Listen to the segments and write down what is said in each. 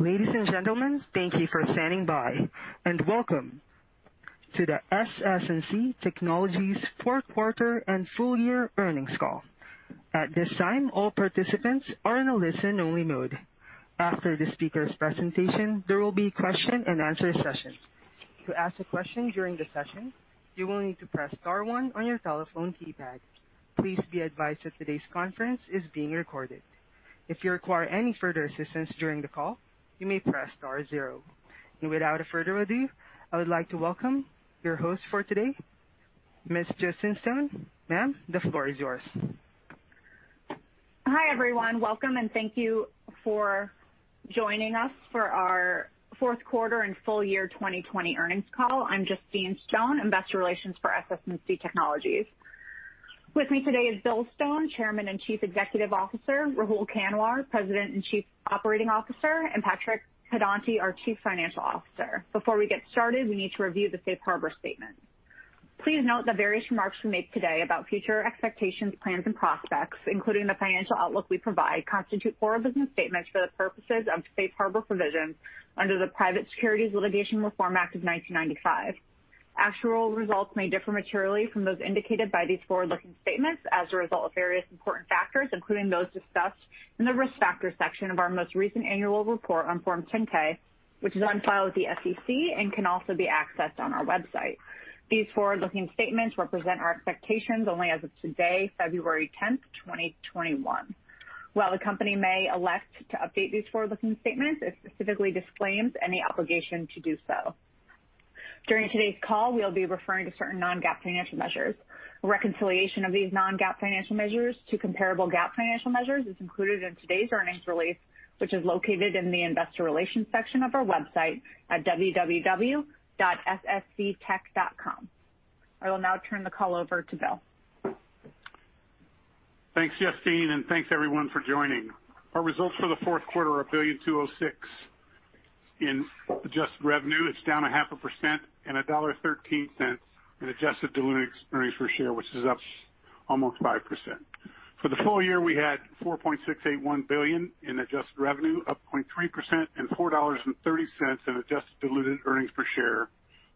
Ladies and gentlemen, thank you for standing by, and welcome to the SS&C Technologies Fourth Quarter and Full Year Earnings Call. At this time, all participants are in a listen-only mode. After the speaker's presentation, there will be a question and answer session. To ask a question during the session, you will need to press star one on your telephone keypad. Please be advised that today's conference is being recorded. If you require any further assistance during the call, you may press star zero. Without further ado, I would like to welcome your host for today, Ms. Justine Stone. Ma'am, the floor is yours. Hi, everyone. Welcome, and thank you for joining us for our Fourth Quarter and Full Year 2020 Earnings Call. I'm Justine Stone, Investor Relations for SS&C Technologies. With me today is Bill Stone, Chairman and Chief Executive Officer, Rahul Kanwar, President and Chief Operating Officer, and Patrick Pedonti, our Chief Financial Officer. Before we get started, we need to review the safe harbor statement. Please note that various remarks we make today about future expectations, plans, and prospects, including the financial outlook we provide, constitute forward-looking statements for the purposes of safe harbor provisions under the Private Securities Litigation Reform Act of 1995. Actual results may differ materially from those indicated by these forward-looking statements as a result of various important factors, including those discussed in the Risk Factors section of our most recent annual report on Form 10-K, which is on file with the SEC and can also be accessed on our website. These forward-looking statements represent our expectations only as of today, February 10th, 2021. While the company may elect to update these forward-looking statements, it specifically disclaims any obligation to do so. During today's call, we'll be referring to certain non-GAAP financial measures. A reconciliation of these non-GAAP financial measures to comparable GAAP financial measures is included in today's earnings release, which is located in the Investor Relations section of our website at www.ssctech.com. I will now turn the call over to Bill. Thanks, Justine, and thanks everyone for joining. Our results for the fourth quarter are $1.206 billion in adjusted revenue. It is down a half a percent. $1.13 in adjusted diluted earnings per share, which is up almost 5%. For the full year, we had $4.681 billion in adjusted revenue, up 0.3%. And, $4.30 in adjusted diluted earnings per share,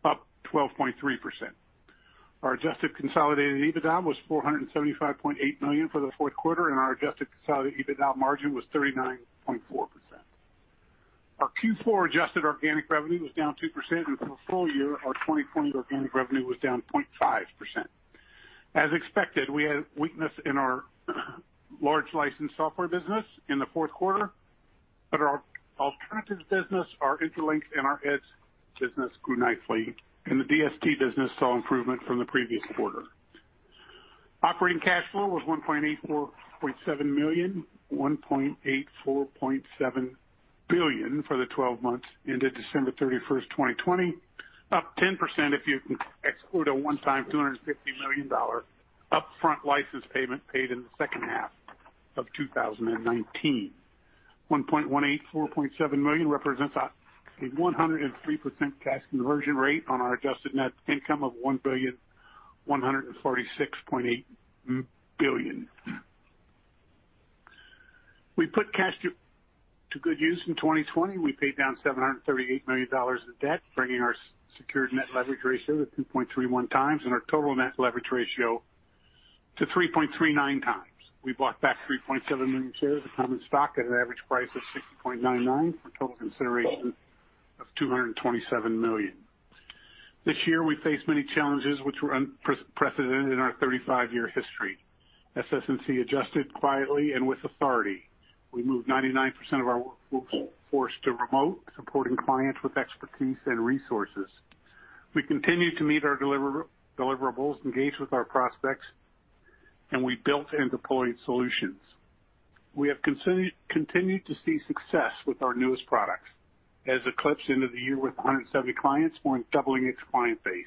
up 12.3%. Our adjusted consolidated EBITDA was $475.8 million for the fourth quarter. Our adjusted consolidated EBITDA margin was 39.4%. Our Q4 adjusted organic revenue was down 2%. For the full year, our 2020 organic revenue was down 0.5%. As expected, we had weakness in our large licensed software business in the fourth quarter. Our alternatives business, our Intralinks, and our Eze business grew nicely. The DST business saw improvement from the previous quarter. Operating cash flow was $1.847 billion for the 12 months ended December 31st, 2020, up 10% if you exclude a one-time $250 million upfront license payment paid in the second half of 2019. $1,184.7 million represents a 103% cash conversion rate on our adjusted net income of $1,146.8 million. We put cash to good use in 2020. We paid down $738 million of debt, bringing our secured net leverage ratio to 2.31x, and our total net leverage ratio to 3.39x. We bought back 3.7 million shares of common stock at an average price of $60.99 for a total consideration of $227 million. This year, we faced many challenges which were unprecedented in our 35-year history. SS&C adjusted quietly and with authority. We moved 99% of our workforce to remote, supporting clients with expertise and resources. We continued to meet our deliverables, engaged with our prospects, and we built and deployed solutions. We have continued to see success with our newest products, as Eclipse ended the year with 170 clients, more than doubling its client base.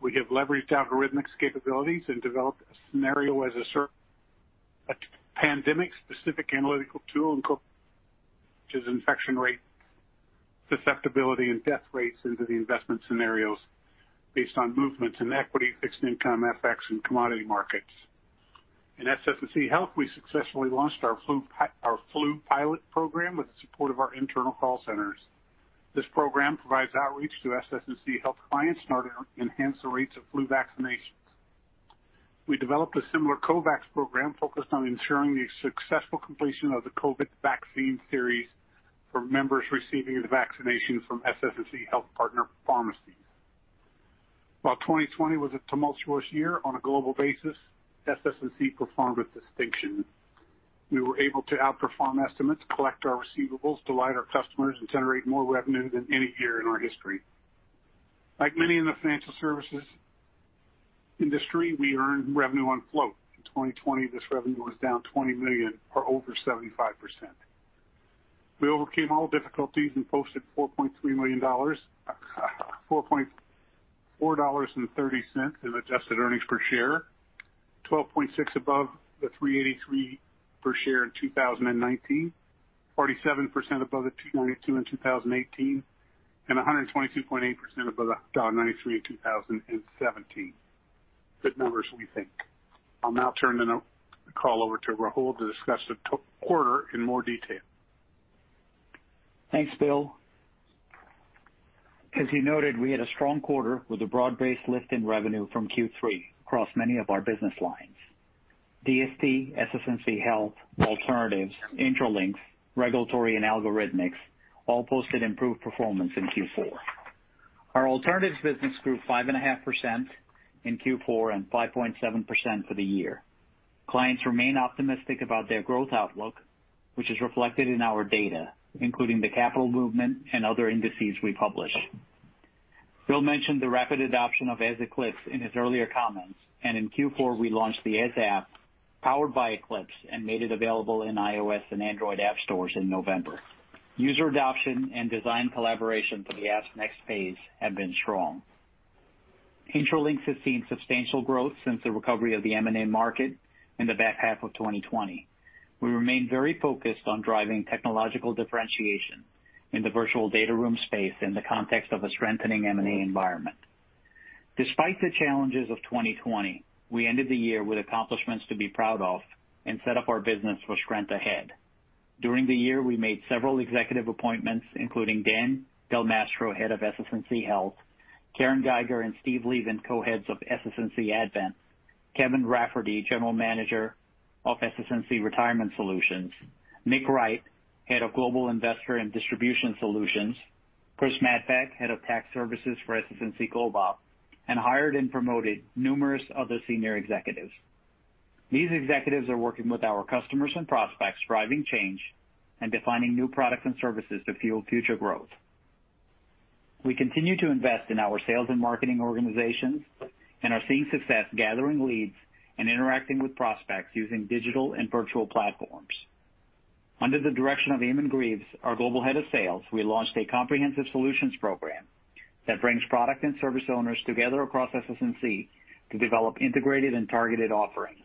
We have leveraged Algorithmics capabilities and developed a scenario as a pandemic-specific analytical tool, [inaudible] which is infection rate susceptibility and death rates into the investment scenarios based on movements in equity, fixed income, FX, and commodity markets. In SS&C Health, we successfully launched our flu pilot program with the support of our internal call centers. This program provides outreach to SS&C Health clients in order to enhance the rates of flu vaccinations. We developed a similar COVAX program focused on ensuring the successful completion of the COVID vaccine series for members receiving the vaccination from SS&C Health partner pharmacies. While 2020 was a tumultuous year on a global basis, SS&C performed with distinction. We were able to outperform estimates, collect our receivables, delight our customers, and generate more revenue than any year in our history. Like many in the financial services industry, we earn revenue on float. In 2020, this revenue was down $20 million or over 75%. We overcame all difficulties and posted $4.30 in adjusted earnings per share, 12.6% above the $3.83 per share in 2019, 47% above the $2.92 in 2018, and 122.8% above the $1.93 in 2017. Good numbers, we think. I'll now turn the call over to Rahul to discuss the quarter in more detail. Thanks, Bill. As you noted, we had a strong quarter with a broad-based lift in revenue from Q3 across many of our business lines. DST, SS&C Health, Alternatives, Intralinks, Regulatory, and Algorithmics all posted improved performance in Q4. Our alternatives business grew 5.5% in Q4 and 5.7% for the year. Clients remain optimistic about their growth outlook, which is reflected in our data, including the capital movement and other indices we publish. Bill mentioned the rapid adoption of Eze Eclipse in his earlier comments, and in Q4, we launched the Eze app powered by Eclipse and made it available in iOS and Android app stores in November. User adoption and design collaboration for the Eze next phase have been strong. Intralinks has seen substantial growth since the recovery of the M&A market in the back half of 2020. We remain very focused on driving technological differentiation in the virtual data room space in the context of a strengthening M&A environment. Despite the challenges of 2020, we ended the year with accomplishments to be proud of and set up our business for strength ahead. During the year, we made several executive appointments, including Dan Del Mastro, head of SS&C Health, Karen Geiger and Steve Leivent, co-heads of SS&C Advent, Kevin Rafferty, General Manager of SS&C Retirement Solutions, Nick Wright, head of Global Investor and Distribution Solutions, Chris Madpak, head of Tax Services for SS&C Global, and hired and promoted numerous other senior executives. These executives are working with our customers and prospects, driving change and defining new products and services to fuel future growth. We continue to invest in our sales and marketing organizations and are seeing success gathering leads and interacting with prospects using digital and virtual platforms. Under the direction of Eamonn Greaves, our Global Head of Sales, we launched a comprehensive solutions program that brings product and service owners together across SS&C to develop integrated and targeted offerings.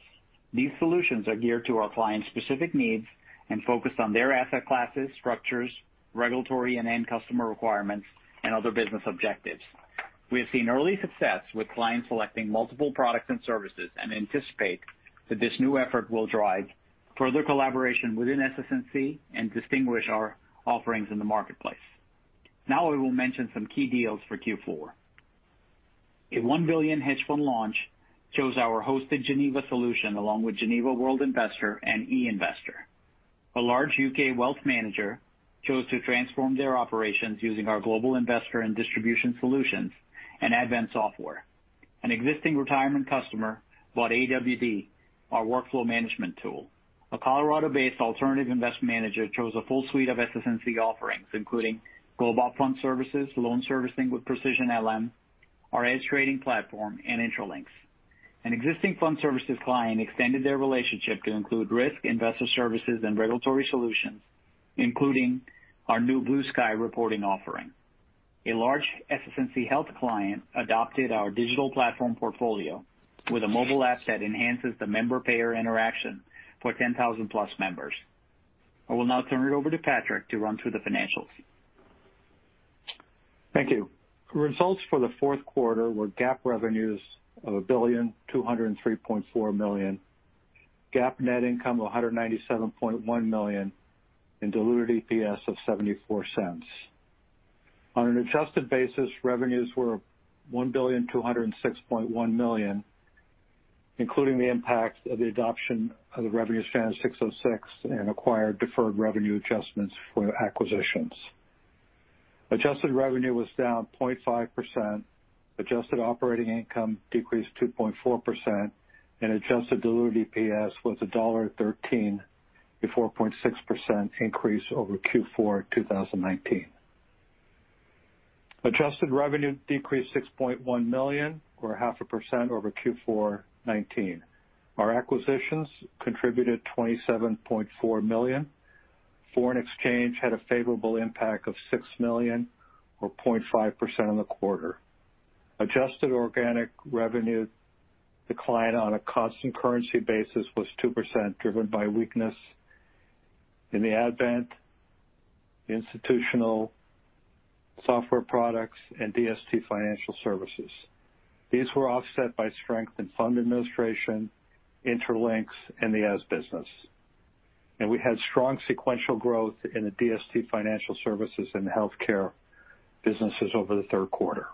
These solutions are geared to our clients' specific needs and focused on their asset classes, structures, regulatory, and end customer requirements, and other business objectives. We have seen early success with clients selecting multiple products and services and anticipate that this new effort will drive further collaboration within SS&C and distinguish our offerings in the marketplace. I will mention some key deals for Q4. A $1 billion hedge fund launch chose our hosted Geneva solution along with Geneva World Investor and e-Investor. A large U.K. wealth manager chose to transform their operations using our global investor and distribution solutions and Advent software. An existing retirement customer bought AWD, our workflow management tool. A Colorado-based alternative investment manager chose a full suite of SS&C offerings, including Global Fund Services, loan servicing with Precision LM, our Eze trading platform, and Intralinks. An existing fund services client extended their relationship to include risk, investor services, and regulatory solutions, including our new Blue Sky reporting offering. A large SS&C Health client adopted our digital platform portfolio with a mobile app that enhances the member-payer interaction for 10,000-plus members. I will now turn it over to Patrick to run through the financials. Thank you. Results for the fourth quarter were GAAP revenues of $1,203.4 million, GAAP net income of $197.1 million, and diluted EPS of $0.74. On an adjusted basis, revenues were $1,206.1 million, including the impact of the adoption of the Revenue Standard 606 and acquired deferred revenue adjustments for acquisitions. Adjusted revenue was down 0.5%, adjusted operating income decreased 2.4%, and adjusted diluted EPS was $1.13, a 4.6% increase over Q4 2019. Adjusted revenue decreased $6.1 million or 0.5% over Q4 2019. Our acquisitions contributed $27.4 million. Foreign exchange had a favorable impact of $6 million or 0.5% on the quarter. Adjusted organic revenue decline on a constant currency basis was 2%, driven by weakness in the SS&C Advent institutional software products and DST Financial Services. These were offset by strength in Fund Administration, Intralinks, and the Eze business. We had strong sequential growth in the DST Financial Services and healthcare businesses over the third quarter.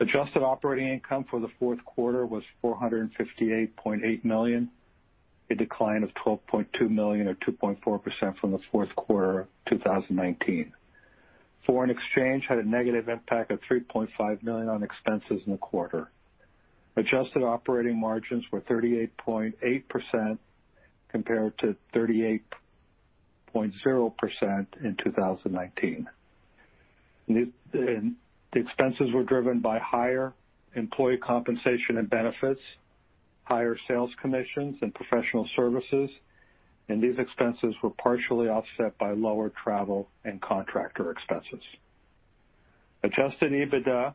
Adjusted operating income for the fourth quarter was $458.8 million, a decline of $12.2 million or 2.4% from the fourth quarter of 2019. Foreign exchange had a negative impact of $3.5 million on expenses in the quarter. Adjusted operating margins were 38.8% compared to 38.0% in 2019. The expenses were driven by higher employee compensation and benefits, higher sales commissions, and professional services, and these expenses were partially offset by lower travel and contractor expenses. Adjusted EBITDA,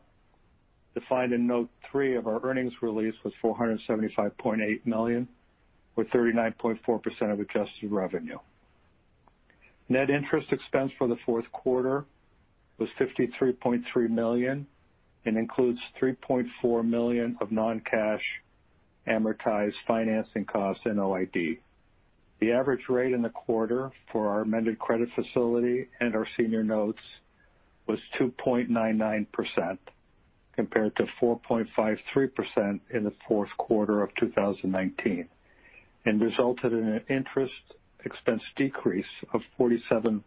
defined in note three of our earnings release, was $475.8 million or 39.4% of adjusted revenue. Net interest expense for the fourth quarter was $53.3 million and includes $3.4 million of non-cash amortized financing costs and OID. The average rate in the quarter for our amended credit facility and our senior notes was 2.99%, compared to 4.53% in the fourth quarter of 2019, and resulted in an interest expense decrease of $47.2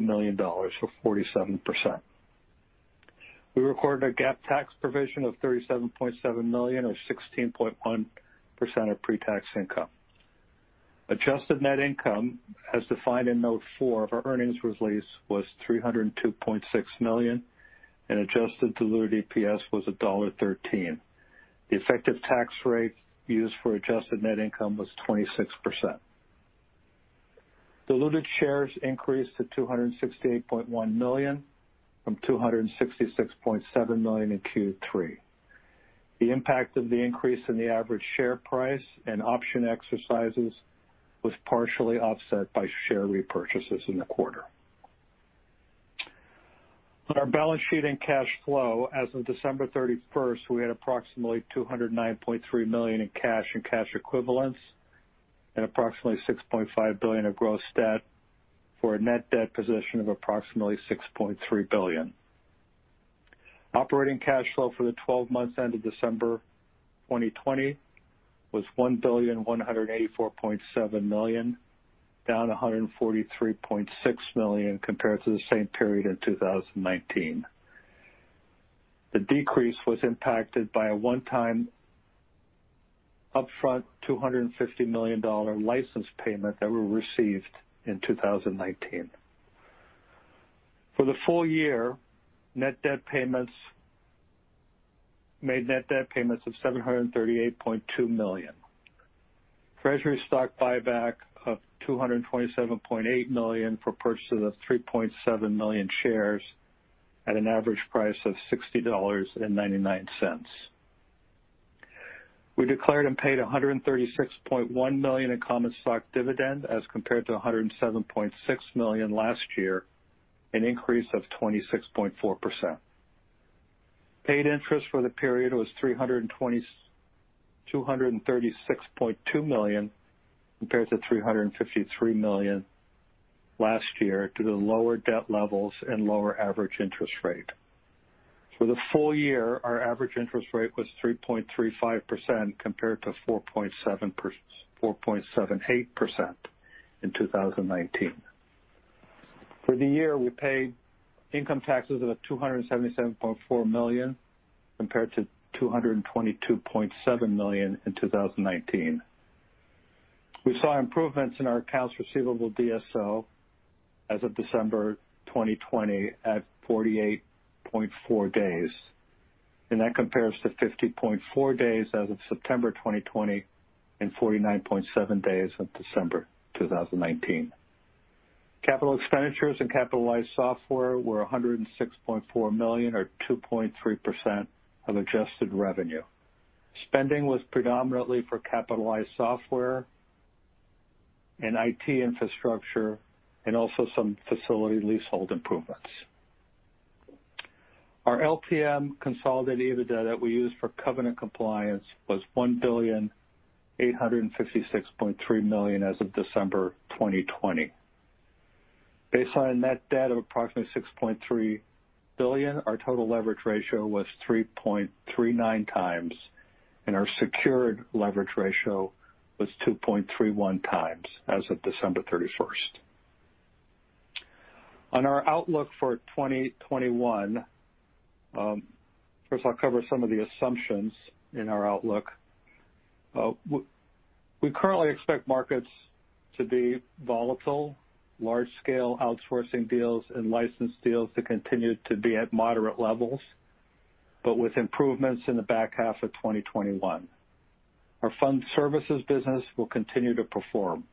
million, or 47%. We recorded a GAAP tax provision of $37.7 million or 16.1% of pre-tax income. Adjusted net income, as defined in note four of our earnings release, was $302.6 million, and adjusted diluted EPS was $1.13. The effective tax rate used for adjusted net income was 26%. Diluted shares increased to 268.1 million from 266.7 million in Q3. The impact of the increase in the average share price and option exercises was partially offset by share repurchases in the quarter. On our balance sheet and cash flow as of December 31st, we had approximately $209.3 million in cash and cash equivalents and approximately $6.5 billion of gross debt for a net debt position of approximately $6.3 billion. Operating cash flow for the 12 months ended December 2020 was $1.1847 billion, down $143.6 million compared to the same period in 2019. The decrease was impacted by a one-time upfront $250 million license payment that we received in 2019. For the full year, made net debt payments of $738.2 million. Treasury stock buyback of $227.8 million for purchase of 3.7 million shares at an average price of $60.99. We declared and paid $136.1 million in common stock dividend as compared to $107.6 million last year, an increase of 26.4%. Paid interest for the period was $336.2 million, compared to $353 million last year, due to lower debt levels and lower average interest rate. For the full year, our average interest rate was 3.35% compared to 4.78% in 2019. For the year, we paid income taxes of $277.4 million compared to $222.7 million in 2019. We saw improvements in our accounts receivable DSO as of December 2020 at 48.4 days, and that compares to 50.4 days as of September 2020 and 49.7 days of December 2019. Capital expenditures and capitalized software were $106.4 million or 2.3% of adjusted revenue. Spending was predominantly for capitalized software and IT infrastructure and also some facility leasehold improvements. Our LTM consolidated EBITDA that we use for covenant compliance was $1,856.3 million as of December 2020. Based on net debt of approximately $6.3 billion, our total leverage ratio was 3.39x, and our secured leverage ratio was 2.31x as of December 31st. On our outlook for 2021- first, I'll cover some of the assumptions in our outlook. We currently expect markets to be volatile, large-scale outsourcing deals, and license deals to continue to be at moderate levels, but with improvements in the back half of 2021. Our fund services business will continue to perform.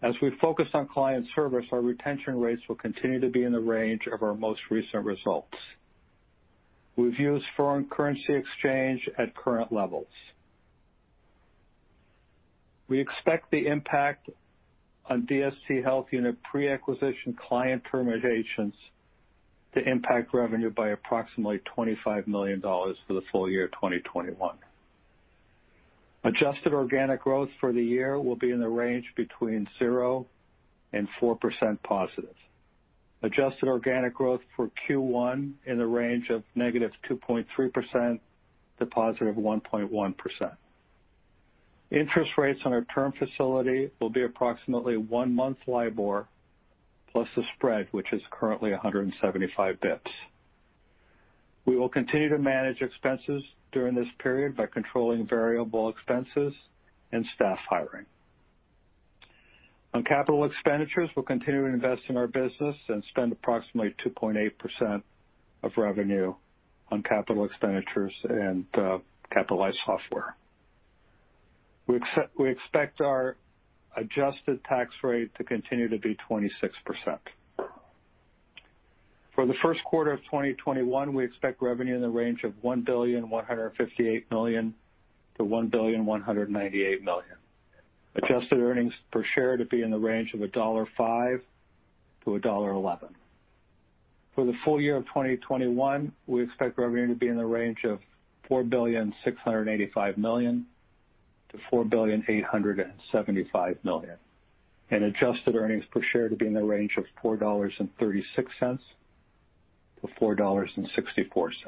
As we focus on client service, our retention rates will continue to be in the range of our most recent results. We view foreign currency exchange at current levels. We expect the impact on DST Health unit pre-acquisition client permutations to impact revenue by approximately $25 million for the full year 2021. Adjusted organic growth for the year will be in the range between zero and 4% positive. Adjusted organic growth for Q1 in the range of -2.3% to +1.1%. Interest rates on our term facility will be approximately one-month LIBOR plus the spread, which is currently 175 bps. We will continue to manage expenses during this period by controlling variable expenses and staff hiring. On capital expenditures, we'll continue to invest in our business and spend approximately 2.8% of revenue on capital expenditures and capitalized software. We expect our adjusted tax rate to continue to be 26%. For the first quarter of 2021, we expect revenue in the range of $1.158 billion-$1.198 billion. Adjusted earnings per share to be in the range of $1.05-$1.11. For the full year of 2021, we expect revenue to be in the range of $4.685 billion-$4.875 billion, and adjusted earnings per share to be in the range of $4.36-$4.64.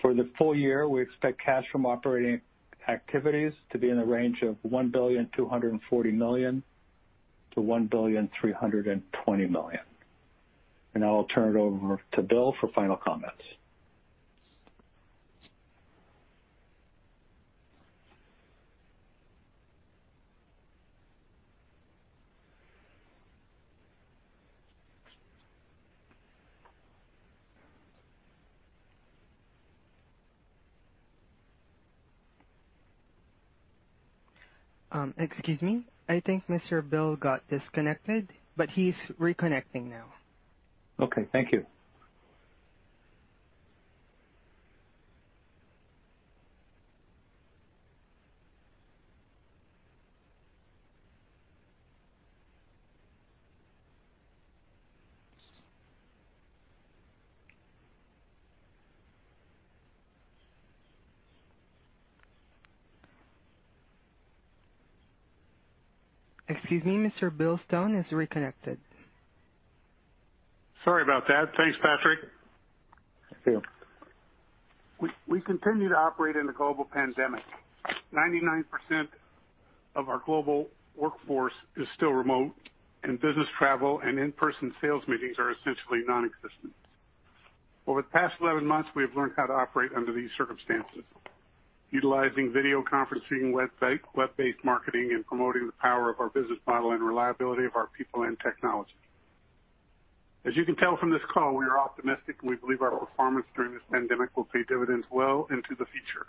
For the full year, we expect cash from operating activities to be in the range of $1.24 billion-$1.32 billion. Now I'll turn it over to Bill for final comments. Excuse me. I think Mr. Bill got disconnected, but he's reconnecting now. Okay, thank you. Excuse me, Mr. Bill Stone is reconnected. Sorry about that. Thanks, Patrick. Thank you. We continue to operate in a global pandemic- 99% of our global workforce is still remote, and business travel and in-person sales meetings are essentially nonexistent. Over the past 11 months, we have learned how to operate under these circumstances- utilizing video conferencing, web-based marketing, and promoting the power of our business model and reliability of our people and technology. As you can tell from this call, we are optimistic, and we believe our performance during this pandemic will pay dividends well into the future.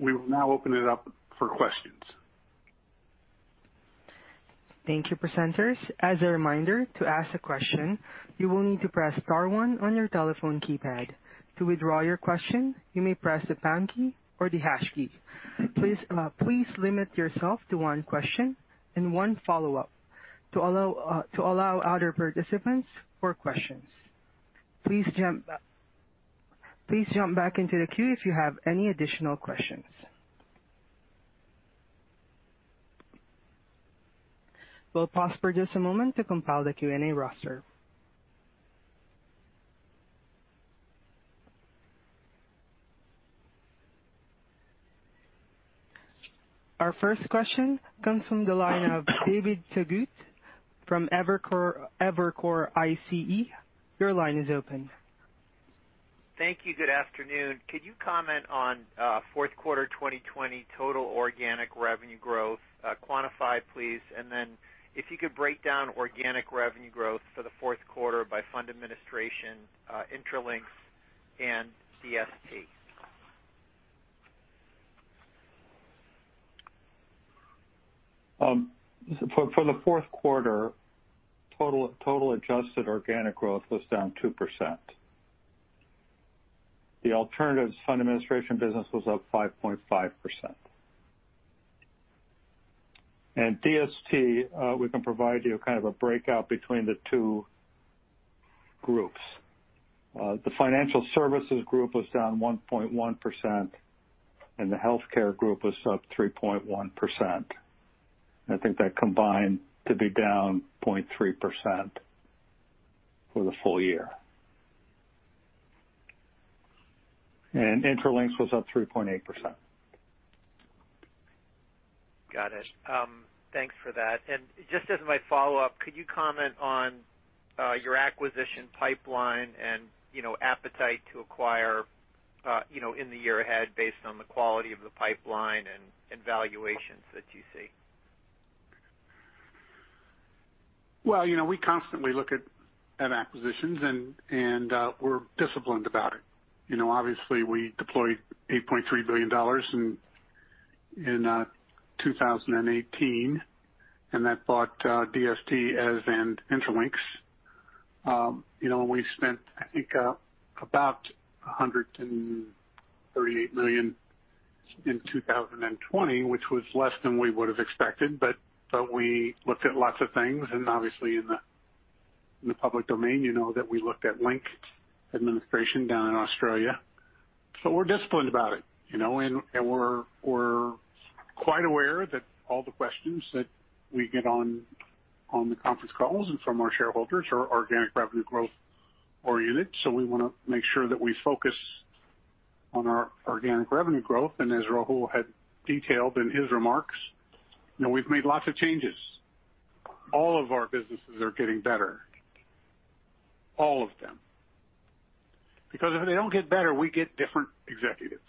We will now open it up for questions. Thank you, presenters. As a reminder, to ask a question, you will need to press star one on your telephone keypad. To withdraw your question, you may press the pound key or the hash key. Please limit yourself to one question and one follow-up to allow other participants for questions. Please jump back into the queue if you have any additional questions. We'll pause for just a moment to compile the Q&A roster. Our first question comes from the line of David Togut from Evercore ISI. Your line is open. Thank you. Good afternoon. Could you comment on fourth quarter 2020 total organic revenue growth? Quantify, please. If you could break down organic revenue growth for the fourth quarter by Fund Administration, Intralinks, and DST. For the fourth quarter, total adjusted organic growth was down 2%. The alternatives Fund Administration business was up 5.5%. DST, we can provide you a kind of a breakout between the two groups. The financial services group was down 1.1%, and the Healthcare group was up 3.1%. I think that combined to be down 0.3% for the full year. Intralinks was up 3.8%. Got it. Thanks for that. Just as my follow-up, could you comment on your acquisition pipeline and appetite to acquire in the year ahead based on the quality of the pipeline and valuations that you see? Well, we constantly look at acquisitions. We're disciplined about it. Obviously, we deployed $8.3 billion in 2018. That bought DST and Intralinks. We spent, I think about $138 million in 2020, which was less than we would have expected. We looked at lots of things. Obviously, in the public domain, you know that we looked at Link Administration down in Australia. We're disciplined about it. We're quite aware that all the questions that we get on the conference calls and from our shareholders are organic revenue growth oriented. We want to make sure that we focus on our organic revenue growth. As Rahul had detailed in his remarks, we've made lots of changes. All of our businesses are getting better. All of them. If they don't get better, we get different executives.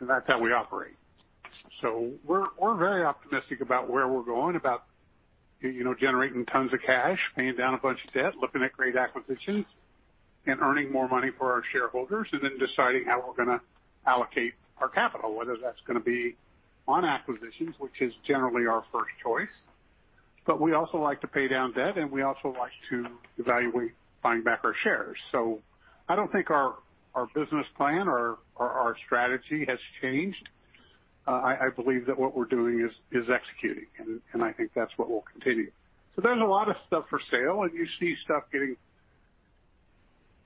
That's how we operate. We're very optimistic about where we're going about generating tons of cash, paying down a bunch of debt, looking at great acquisitions. Earning more money for our shareholders and then deciding how we're going to allocate our capital, whether that's going to be on acquisitions, which is generally our first choice. We also like to pay down debt, and we also like to evaluate buying back our shares. I don't think our business plan or our strategy has changed. I believe that what we're doing is executing, and I think that's what we'll continue. There's a lot of stuff for sale, and you see stuff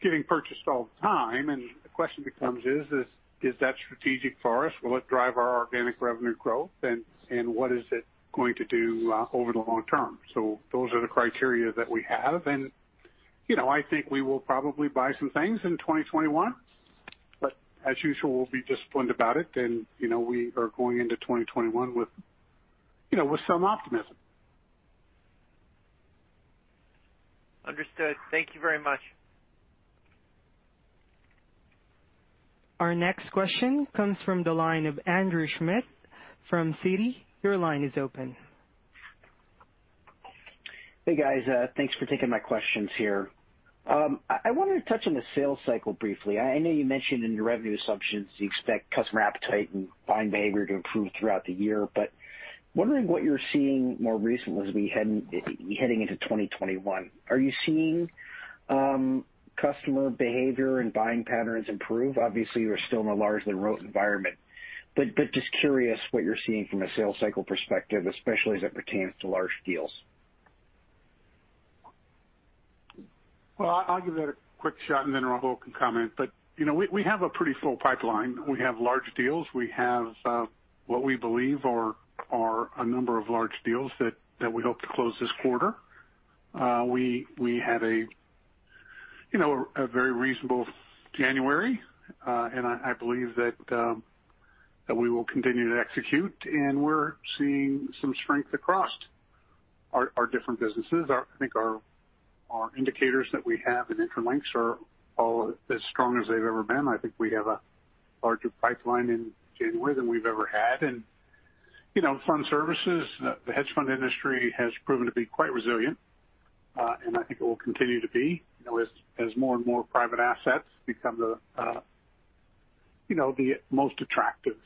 getting purchased all the time. The question becomes is that strategic for us? Will it drive our organic revenue growth, and what is it going to do over the long term? Those are the criteria that we have. I think we will probably buy some things in 2021. As usual, we'll be disciplined about it, and we are going into 2021 with some optimism. Understood. Thank you very much. Our next question comes from the line of Andrew Schmidt from Citi. Your line is open. Hey, guys. Thanks for taking my questions here. I wanted to touch on the sales cycle briefly. I know you mentioned in your revenue assumptions you expect customer appetite and buying behavior to improve throughout the year. Wondering what you're seeing more recently as we heading into 2021. Are you seeing customer behavior and buying patterns improve? Obviously, you're still in a largely remote environment. Just curious what you're seeing from a sales cycle perspective, especially as it pertains to large deals. Well, I'll give that a quick shot, and then Rahul can comment. We have a pretty full pipeline. We have large deals. We have what we believe are a number of large deals that we hope to close this quarter. We had a very reasonable January. I believe that we will continue to execute, and we're seeing some strength across our different businesses. I think our indicators that we have in Intralinks are all as strong as they've ever been. I think we have a larger pipeline in January than we've ever had. Fund services- the hedge fund industry has proven to be quite resilient. I think it will continue to be, as more and more private assets become the most attractive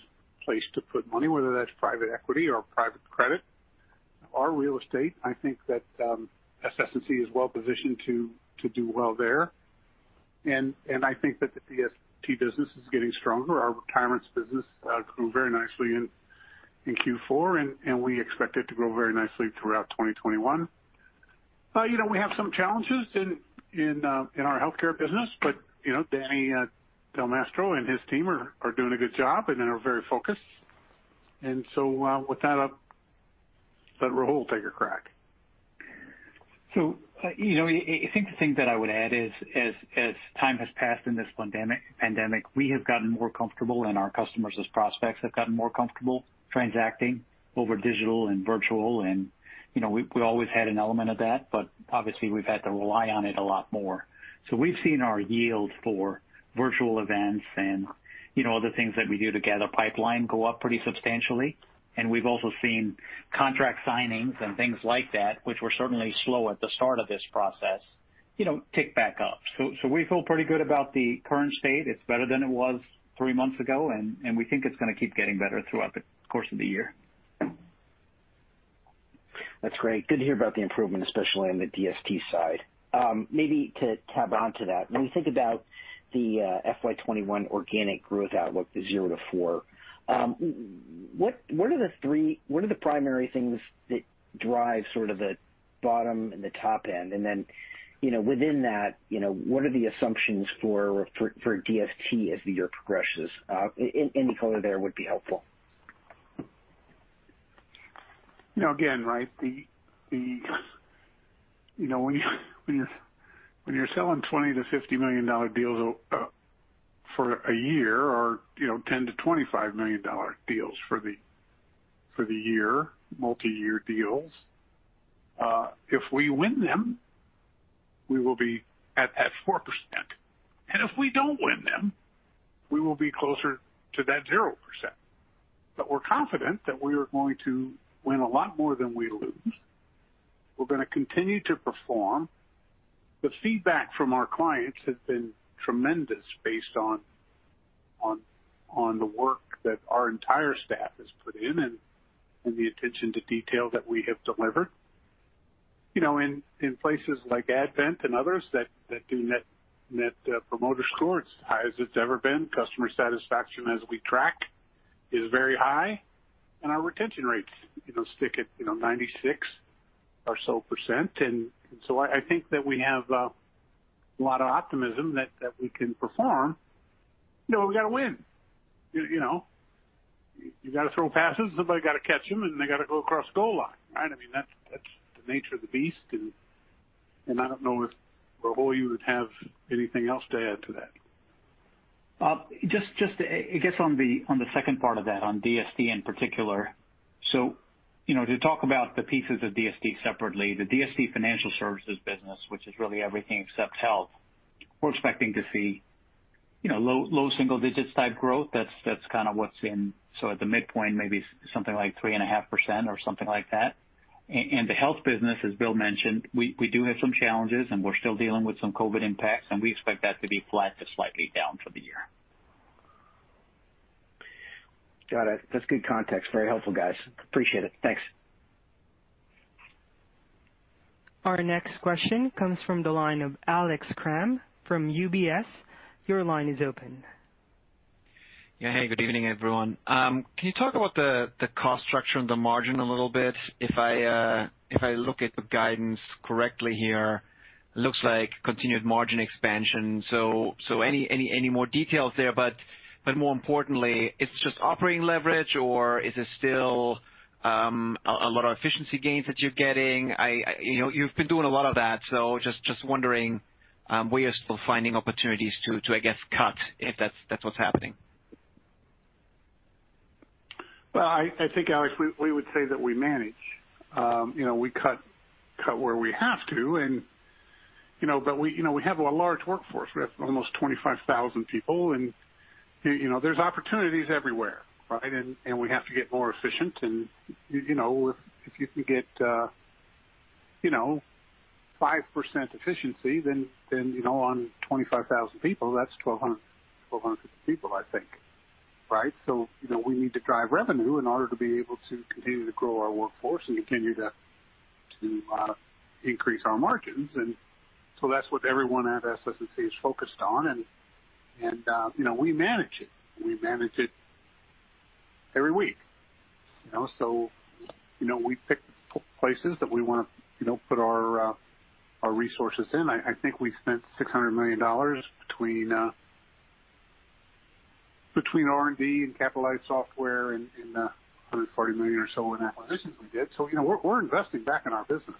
place to put money, whether that's private equity or private credit or real estate. I think that SS&C is well-positioned to do well there. I think that the DST business is getting stronger. Our retirements business grew very nicely in Q4, and we expect it to grow very nicely throughout 2021. We have some challenges in our healthcare business. Danny DelMastro and his team are doing a good job, and they're very focused. With that, I'll let Rahul take a crack. I think the thing that I would add is- as time has passed in this pandemic, we have gotten more comfortable and our customers as prospects have gotten more comfortable transacting over digital and virtual. We always had an element of that, but obviously, we've had to rely on it a lot more. We've seen our yield for virtual events and all the things that we do together pipeline go up pretty substantially. We've also seen contract signings and things like that, which were certainly slow at the start of this process, tick back up. We feel pretty good about the current state. It's better than it was three months ago, and we think it's going to keep getting better throughout the course of the year. That's great. Good to hear about the improvement, especially on the DST side. Maybe to tap onto that. When we think about the FY 2021 organic growth outlook, the 0% to 4%. What are the primary things that drive sort of the bottom and the top end? Then, within that, what are the assumptions for DST as the year progresses? Any color there would be helpful. Again, right, when you're selling $20 million-$50 million deals for a year or $10 million-$25 million deals for the year, multi-year deals. If we win them, we will be at that 4%. If we don't win them, we will be closer to that 0%. We're confident that we are going to win a lot more than we lose. We're going to continue to perform. The feedback from our clients has been tremendous based on the work that our entire staff has put in and the attention to detail that we have delivered. In places like Advent and others that do Net Promoter Score, it's high as it's ever been. Customer satisfaction as we track is very high. Our retention rates stick at 96% or so. I think that we have a lot of optimism that we can perform. We got to win. You got to throw passes, somebody got to catch them, and they got to go across goal line, right? I mean, that's the nature of the beast. I don't know if, Rahul, you would have anything else to add to that? I guess on the second part of that- on DST in particular. To talk about the pieces of DST separately, the DST Financial Services business, which is really everything except health, we're expecting to see Low single digits type growth. That's kind of what's in, at the midpoint, maybe something like 3.5% or something like that. The health business, as Bill mentioned, we do have some challenges, and we're still dealing with some COVID impacts, and we expect that to be flat to slightly down for the year. Got it. That's good context. Very helpful, guys. Appreciate it. Thanks. Our next question comes from the line of Alex Kramm from UBS. Your line is open. Yeah. Hey, good evening, everyone. Can you talk about the cost structure and the margin a little bit? If I look at the guidance correctly here, looks like continued margin expansion. Any more details there? More importantly, it's just operating leverage or is it still a lot of efficiency gains that you're getting? You've been doing a lot of that, just wondering where you're still finding opportunities to, I guess, cut if that's what's happening. Well, I think, Alex, we would say that we manage. We cut where we have to, but we have a large workforce. We have almost 25,000 people, there's opportunities everywhere, right? We have to get more efficient. If you can get 5% efficiency, then on 25,000 people, that's 1,200, 1,250 people, I think, right? We need to drive revenue in order to be able to continue to grow our workforce and continue to increase our margins. That's what everyone at SS&C is focused on, and we manage it. We manage it every week. We pick places that we want to put our resources in. I think we spent $600 million between R&D and capitalized software and $140 million or so in acquisitions we did. We're investing back in our business.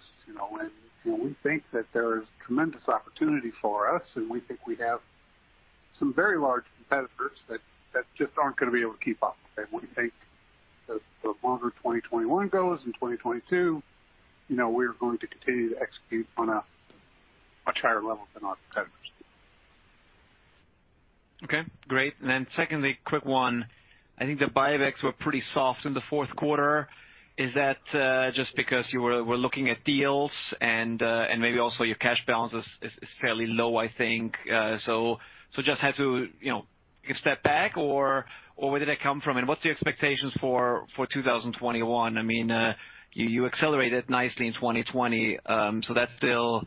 We think that there is tremendous opportunity for us, and we think we have some very large competitors that just aren't going to be able to keep up. We think as longer 2021 goes, and 2022, we are going to continue to execute on a much higher level than our competitors. Okay, great. Secondly, quick one. I think the buybacks were pretty soft in the fourth quarter. Is that just because you were looking at deals and maybe also your cash balance is fairly low, I think. Just had to take a step back or where did that come from, and what's the expectations for 2021? You accelerated nicely in 2020. That's still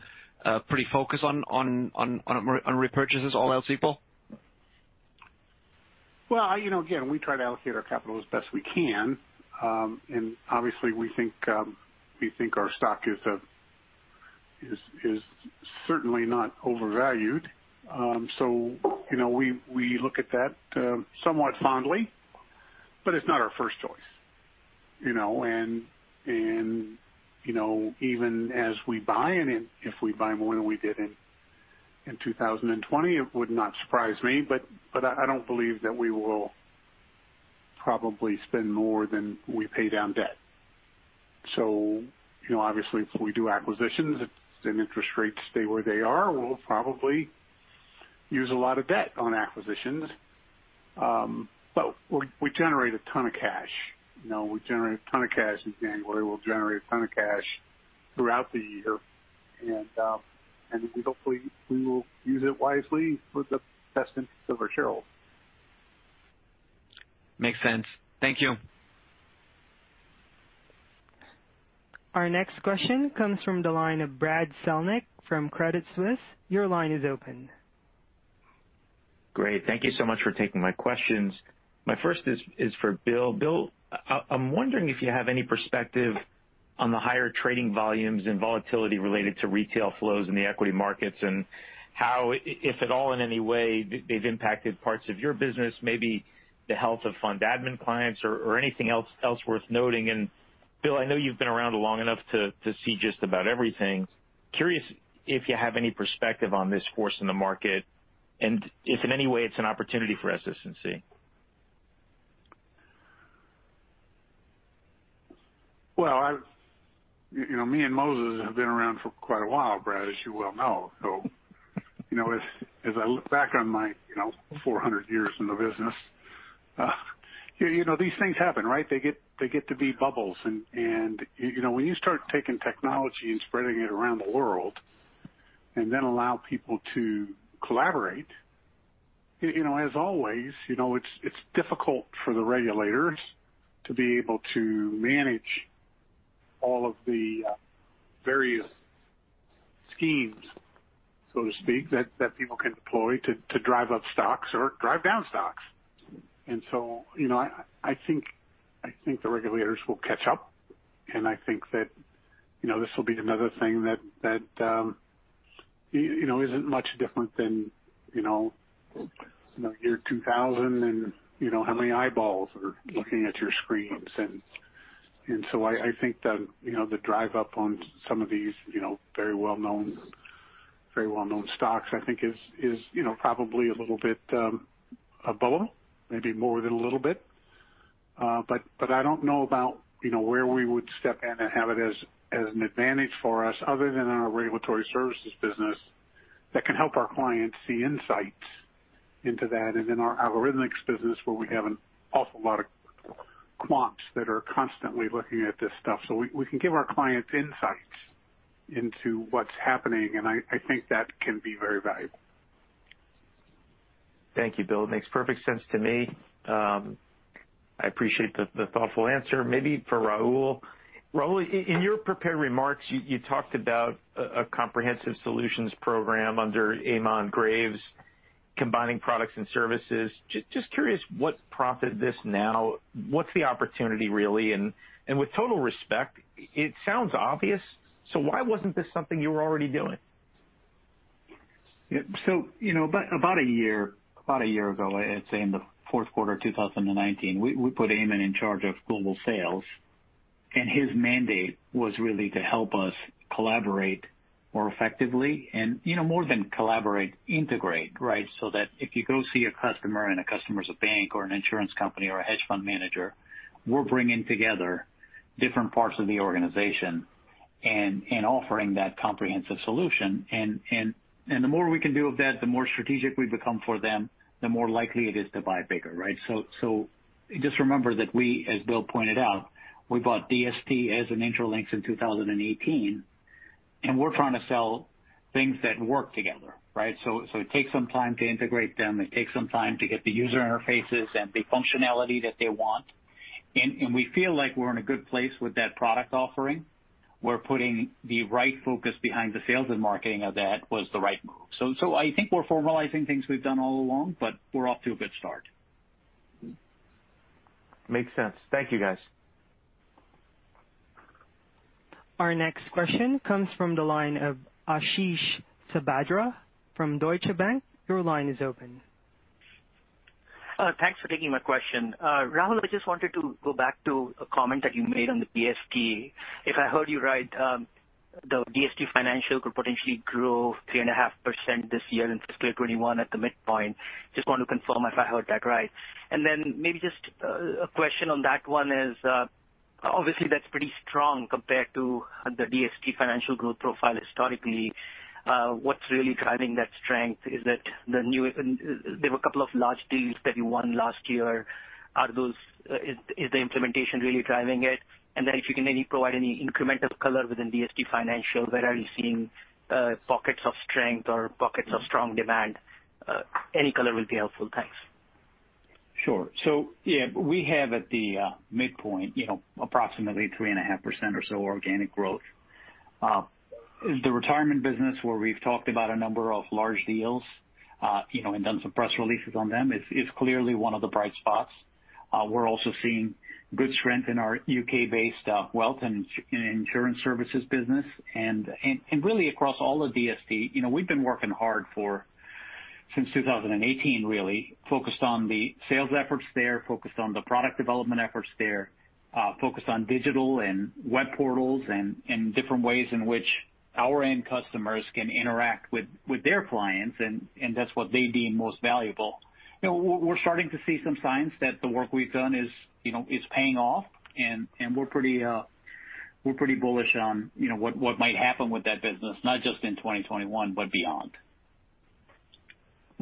pretty focused on repurchases all else equal? Well, again, we try to allocate our capital as best as we can. Obviously, we think our stock is certainly not overvalued. We look at that somewhat fondly, but it's not our first choice. Even as we buy, and if we buy more than we did in 2020, it would not surprise me. I don't believe that we will probably spend more than we pay down debt. Obviously, if we do acquisitions, if interest rates stay where they are, we'll probably use a lot of debt on acquisitions. We generate a ton of cash. We generated a ton of cash in January. We'll generate a ton of cash throughout the year. Hopefully, we will use it wisely for the best interests of our shareholders. Makes sense. Thank you. Our next question comes from the line of Brad Zelnick from Credit Suisse. Your line is open. Great. Thank you so much for taking my questions. My first is for Bill. Bill, I'm wondering if you have any perspective on the higher trading volumes and volatility related to retail flows in the equity markets and how, if at all, in any way, they've impacted parts of your business- maybe the health of fund admin clients or anything else worth noting. Bill, I know you've been around long enough to see just about everything. Curious if you have any perspective on this force in the market and if in any way it's an opportunity for SS&C. Well, me and Moses have been around for quite a while, Brad, as you well know. As I look back on my 400 years in the business, these things happen, right? They get to be bubbles. When you start taking technology and spreading it around the world and then allow people to collaborate, as always it's difficult for the regulators to be able to manage all of the various schemes, so to speak, that people can deploy to drive up stocks or drive down stocks. I think the regulators will catch up, and I think that this will be another thing that isn't much different than year 2000 and how many eyeballs are looking at your screens. I think that the drive up on some of these very well-known stocks, I think is probably a little bit above normal, maybe more than a little bit. I don't know about where we would step in and have it as an advantage for us other than in our regulatory services business that can help our clients see insights into that and in our Algorithmics business, where we have an awful lot of quants that are constantly looking at this stuff. We can give our clients insights into what's happening, and I think that can be very valuable. Thank you, Bill. It makes perfect sense to me. I appreciate the thoughtful answer. Maybe for Rahul. Rahul, in your prepared remarks, you talked about a comprehensive solutions program under Eamonn Greaves combining products and services. Just curious, what prompted this now? What's the opportunity, really? With total respect, it sounds obvious, so why wasn't this something you were already doing? About a year ago, I'd say in the fourth quarter of 2019, we put Eamonn in charge of global sales, and his mandate was really to help us collaborate more effectively and more than collaborate, integrate, right? That if you go see a customer and a customer's a bank or an insurance company or a hedge fund manager, we're bringing together different parts of the organization and offering that comprehensive solution. The more we can do of that, the more strategic we become for them, the more likely it is to buy bigger, right? Just remember that we, as Bill pointed out, we bought DST as an Intralinks in 2018, we're trying to sell things that work together, right? It takes some time to integrate them. It takes some time to get the user interfaces and the functionality that they want. We feel like we're in a good place with that product offering. We're putting the right focus behind the sales and marketing of that was the right move. I think we're formalizing things we've done all along, but we're off to a good start. Makes sense. Thank you, guys. Our next question comes from the line of Ashish Sabadra from Deutsche Bank. Your line is open. Thanks for taking my question. Rahul, I just wanted to go back to a comment that you made on the DST. If I heard you right, the DST Financial could potentially grow 3.5% this year in fiscal 2021 at the midpoint. Just want to confirm if I heard that right. Maybe just a question on that one is, obviously that's pretty strong compared to the DST Financial growth profile historically. What's really driving that strength? There were a couple of large deals that you won last year. Is the implementation really driving it? If you can maybe provide any incremental color within DST Financial, where are you seeing pockets of strength or pockets of strong demand? Any color will be helpful. Thanks. Sure. We have at the midpoint approximately 3.5% or so organic growth. The retirement business where we've talked about a number of large deals, and done some press releases on them, is clearly one of the bright spots. We're also seeing good strength in our U.K.-based wealth and insurance services business and really across all of DST. We've been working hard since 2018- really, focused on the sales efforts there, focused on the product development efforts there, focused on digital and web portals and different ways in which our end customers can interact with their clients and that's what they deem most valuable. We're starting to see some signs that the work we've done is paying off, and we're pretty bullish on what might happen with that business, not just in 2021, but beyond.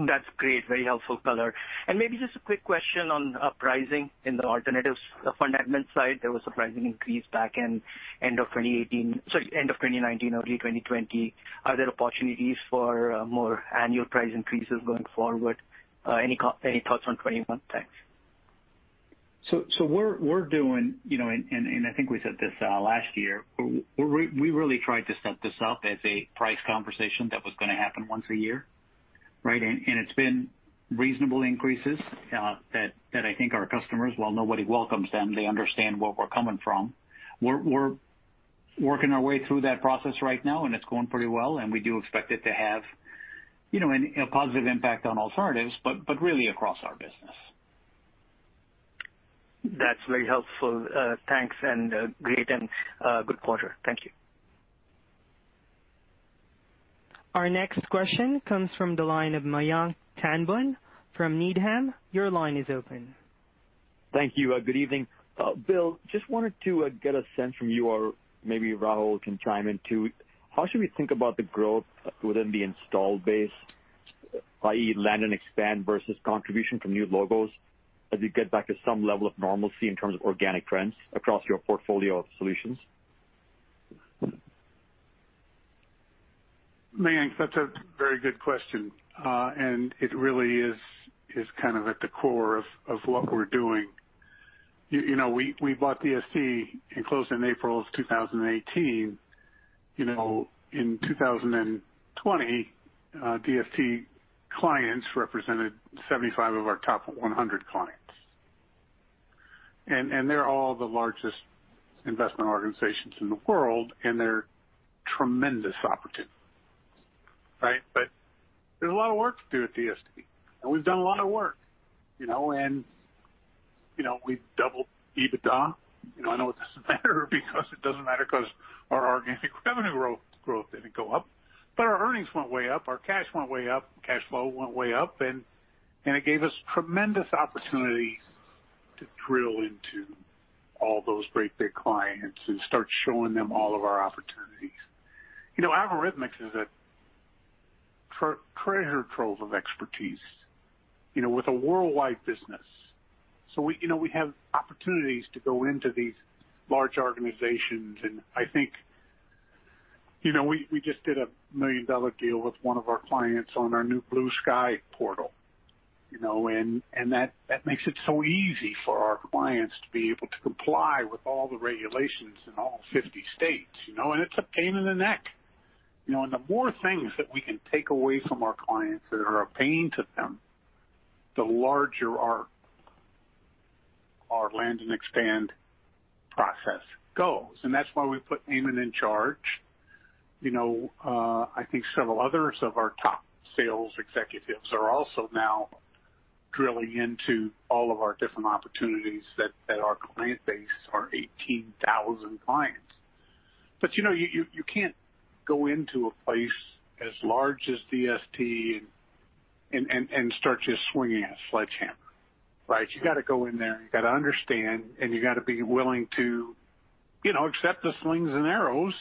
That's great. Very helpful color. Maybe just a quick question on pricing in the alternatives fund admin side. There was a pricing increase back in end of 2019, early 2020. Are there opportunities for more annual price increases going forward? Any thoughts on 2021? Thanks. We're doing, and I think we said this last year, we really tried to set this up as a price conversation that was going to happen once a year, right? It's been reasonable increases that I think our customers, while nobody welcomes them, they understand where we're coming from. We're working our way through that process right now, and it's going pretty well, and we do expect it to have a positive impact on alternatives, but really across our business. That's very helpful. Thanks, and great and good quarter. Thank you. Our next question comes from the line of Mayank Tandon from Needham. Your line is open. Thank you. Good evening. Bill, just wanted to get a sense from you or maybe Rahul can chime in too. How should we think about the growth within the installed base, i.e., land and expand versus contribution from new logos as you get back to some level of normalcy in terms of organic trends across your portfolio of solutions? Mayank, that's a very good question, and it really is kind of at the core of what we're doing. We bought DST and closed in April of 2018. In 2020, DST clients represented 75 of our top 100 clients. They're all the largest investment organizations in the world, and they're tremendous opportunities, right? There's a lot of work to do at DST, and we've done a lot of work. We've doubled EBITDA. I know it doesn't matter because it doesn't matter because our organic revenue growth didn't go up. But our earnings went way up, our cash went way up, cash flow went way up, and it gave us tremendous opportunities to drill into all those great big clients and start showing them all of our opportunities. Algorithmics is a treasure trove of expertise with a worldwide business. We have opportunities to go into these large organizations and I think, we just did a million-dollar deal with one of our clients on our new Blue Sky Portal, and that makes it so easy for our clients to be able to comply with all the regulations in all 50 states. It's a pain in the neck. The more things that we can take away from our clients that are a pain to them, the larger our land and expand process goes. That's why we put Eamonn in charge. I think several others of our top sales executives are also now drilling into all of our different opportunities at our client base- our 18,000 clients. You can't go into a place as large as DST and start just swinging a sledgehammer, right? You got to go in there, and you got to understand, and you got to be willing to accept the slings and arrows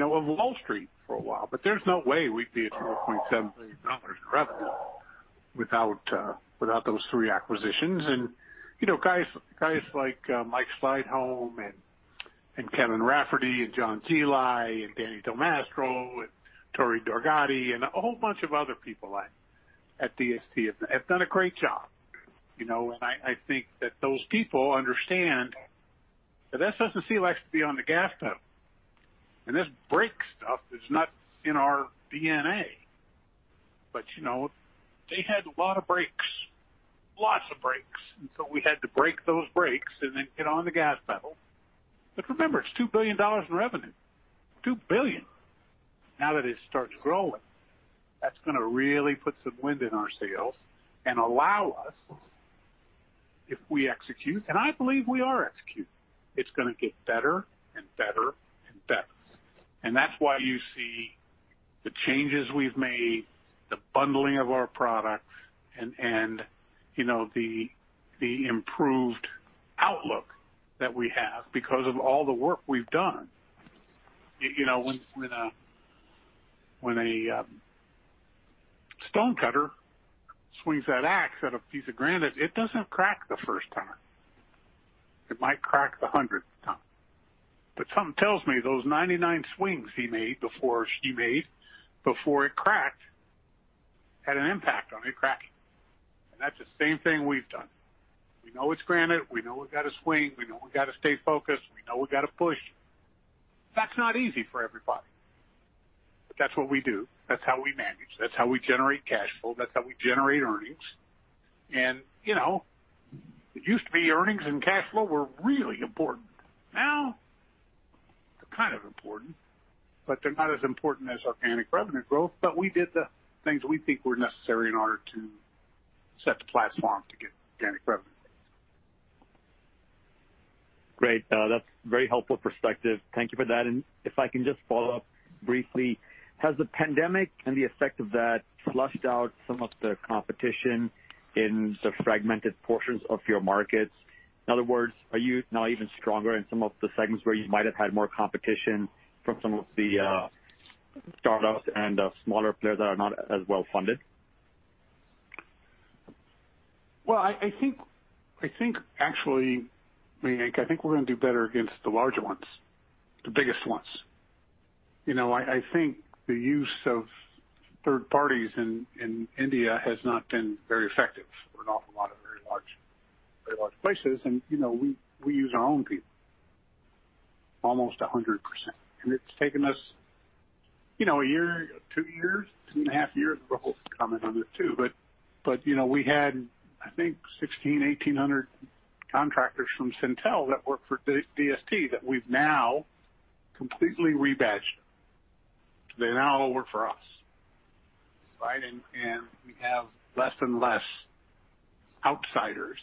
of Wall Street for a while. There's no way we'd be at $2.7 billion in revenue without those three acquisitions. Guys like Mike Sleightholme and Kevin Rafferty and John Geli and Danny DelMastro and Tori Dargati, and a whole bunch of other people at DST have done a great job. I think that those people understand that SS&C likes to be on the gas pedal, and this brake stuff is not in our DNA. They had a lot of brakes, lots of brakes, and so we had to break those brakes and then get on the gas pedal. Remember, it's $2 billion in revenue- $2 billion. Now that it starts growing, that's going to really put some wind in our sails and allow us, if we execute, and I believe we are executing, it's going to get better and better and better. That's why you see the changes we've made, the bundling of our products, and the improved outlook that we have because of all the work we've done. When a stonecutter swings that ax at a piece of granite, it doesn't crack the first time. It might crack the 100th time. Something tells me those 99 swings he made, before it cracked, had an impact on it cracking. That's the same thing we've done. We know it's granite. We know we've got to swing. We know we've got to stay focused. We know we've got to push. That's not easy for everybody, but that's what we do. That's how we manage. That's how we generate cash flow. That's how we generate earnings. It used to be earnings and cash flow were really important. Now, they're kind of important, but they're not as important as organic revenue growth. We did the things we think were necessary in order to set the platform to get organic revenue. Great. That's very helpful perspective. Thank you for that. If I can just follow up briefly, has the pandemic and the effect of that flushed out some of the competition in the fragmented portions of your markets? In other words, are you now even stronger in some of the segments where you might have had more competition from some of the startups and smaller players that are not as well-funded? Well, I think we're going to do better against the larger ones, the biggest ones. I think the use of third parties in India has not been very effective for an awful lot of very large places, and we use our own people almost 100%. It's taken us a year, two years, two and a half years. Rahul can comment on this, too, but we had, I think, 1,600, 1,800 contractors from Syntel that worked for DST that we've now completely rebadged. They now all work for us. Right? We have less and less outsiders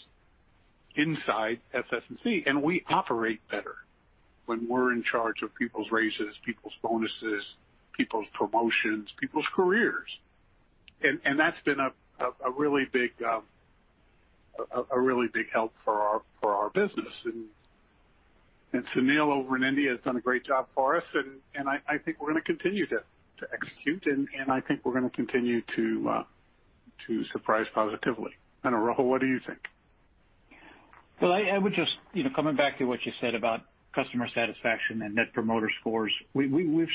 inside SS&C, and we operate better when we're in charge of people's raises, people's bonuses, people's promotions, people's careers. That's been a really big help for our business. Sunil over in India has done a great job for us, and I think we're going to continue to execute, and I think we're going to continue to surprise positively. I don't know, Rahul, what do you think? Well, coming back to what you said about customer satisfaction and Net Promoter Scores, we've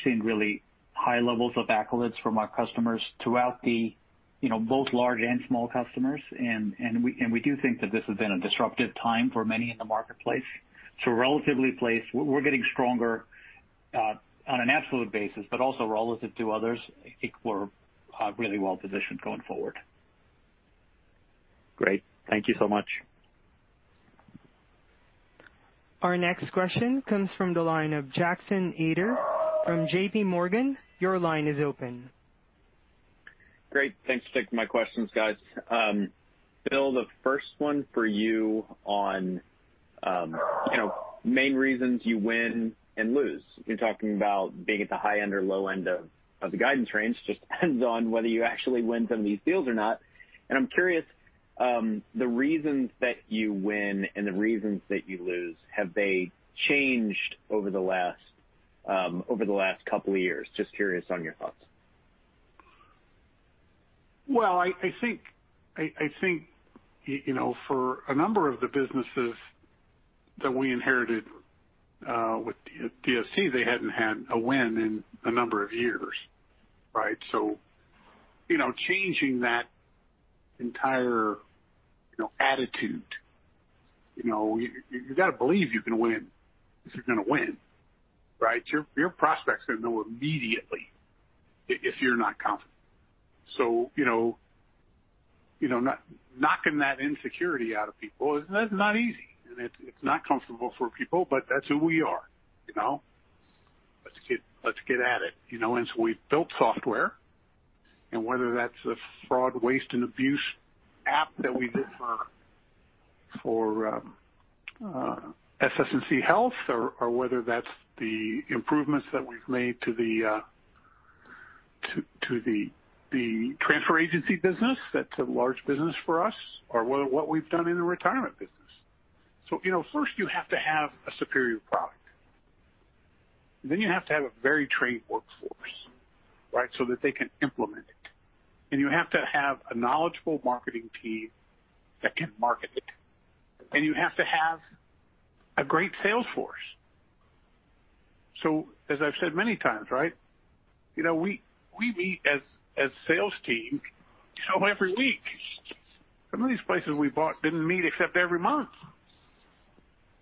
seen really high levels of accolades from our customers throughout the both large and small customers. We do think that this has been a disruptive time for many in the marketplace. We're getting stronger, on an absolute basis, but also relative to others. I think we're really well-positioned going forward. Great. Thank you so much. Our next question comes from the line of Jackson Ader from JPMorgan. Your line is open. Great. Thanks for taking my questions, guys. Bill, the first one for you on main reasons you win and lose. You're talking about being at the high end or low end of the guidance range, just depends on whether you actually win some of these deals or not. I'm curious, the reasons that you win and the reasons that you lose, have they changed over the last couple of years? Just curious on your thoughts. I think for a number of the businesses that we inherited with DST, they hadn't had a win in a number of years, right? Changing that entire attitude. You got to believe you can win if you're going to win, right? Your prospect's going to know immediately if you're not confident. Knocking that insecurity out of people, that's not easy, and it's not comfortable for people, but that's who we are. Let's get at it. We've built software, and whether that's a fraud, waste, and abuse app that we did for SS&C Health, or whether that's the improvements that we've made to the transfer agency business, that's a large business for us, or what we've done in the retirement business. First you have to have a superior product. You have to have a very trained workforce, right? That they can implement it. You have to have a knowledgeable marketing team that can market it. You have to have a great sales force. As I've said many times, right, we meet as sales team every week. Some of these places we bought didn't meet except every month.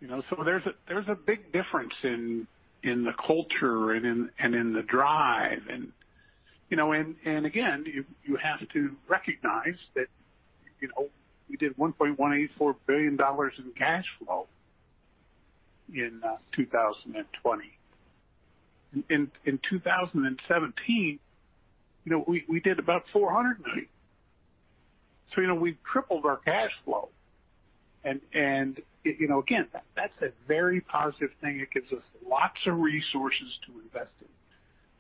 There's a big difference in the culture and in the drive. Again, you have to recognize that we did $1.184 billion in cash flow in 2020. In 2017, we did about $400 million. We've tripled our cash flow. Again, that's a very positive thing. It gives us lots of resources to invest in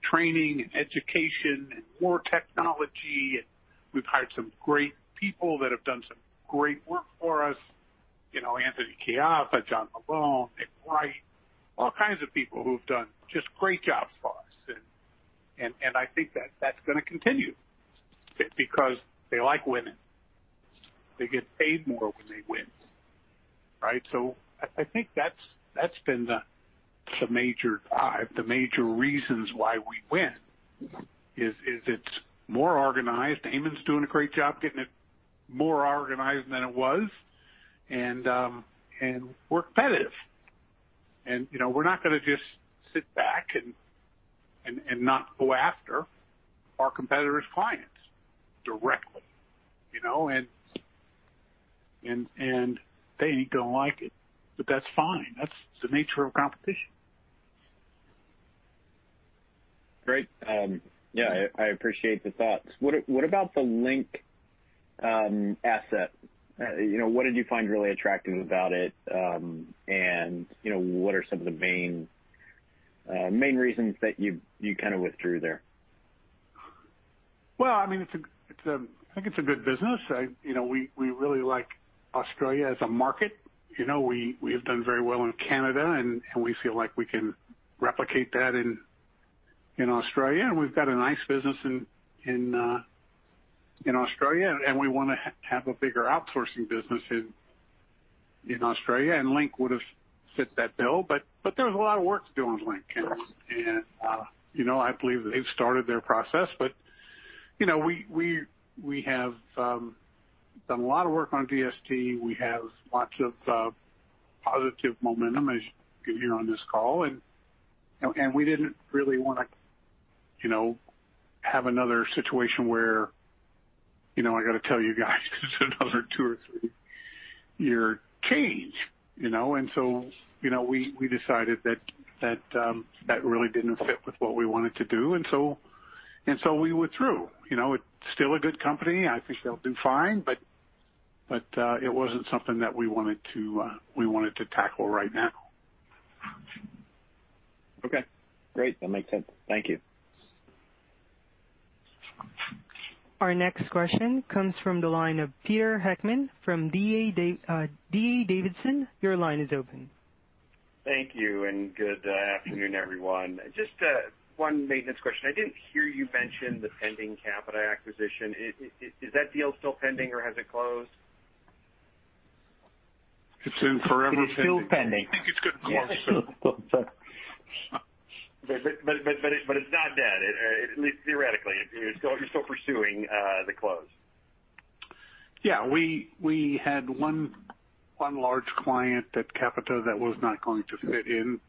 training and education and more technology. We've hired some great people that have done some great work for us- Anthony Caiafa, John Bellone, Nick Wright, all kinds of people who've done just great jobs for us. I think that's going to continue because they like winning. They get paid more when they win, right? I think that's been the major drive, the major reasons why we win is it's more organized. Eamonn's doing a great job getting it more organized than it was. We're competitive. We're not going to just sit back and not go after our competitors' clients directly. They ain't going to like it, but that's fine. That's the nature of competition. Great. Yeah, I appreciate the thoughts. What about the Link asset? What did you find really attractive about it? What are some of the main reasons that you kind of withdrew there? Well, I think it's a good business. We really like Australia as a market. We have done very well in Canada, and we feel like we can replicate that in Australia. We've got a nice business in Australia, and we want to have a bigger outsourcing business in Australia, and Link would've fit that bill. There was a lot of work to do on link. I believe they've started their process. We have done a lot of work on DST. We have lots of positive momentum, as you can hear on this call. We didn't really want to have another situation where I got to tell you guys there's another two or three-year cage. We decided that really didn't fit with what we wanted to do. We withdrew. It's still a good company. I think they'll do fine. It wasn't something that we wanted to tackle right now. Okay. Great. That makes sense. Thank you. Our next question comes from the line of Peter Heckmann from D.A. Davidson. Your line is open. Thank you, good afternoon, everyone. Just one maintenance question. I didn't hear you mention the pending Capita acquisition. Is that deal still pending, or has it closed? It's in forever pending. It is still pending. I think it's going to close soon. It's not dead, at least theoretically. You're still pursuing the close. Yeah. We had one large client at Capita that was not going to fit in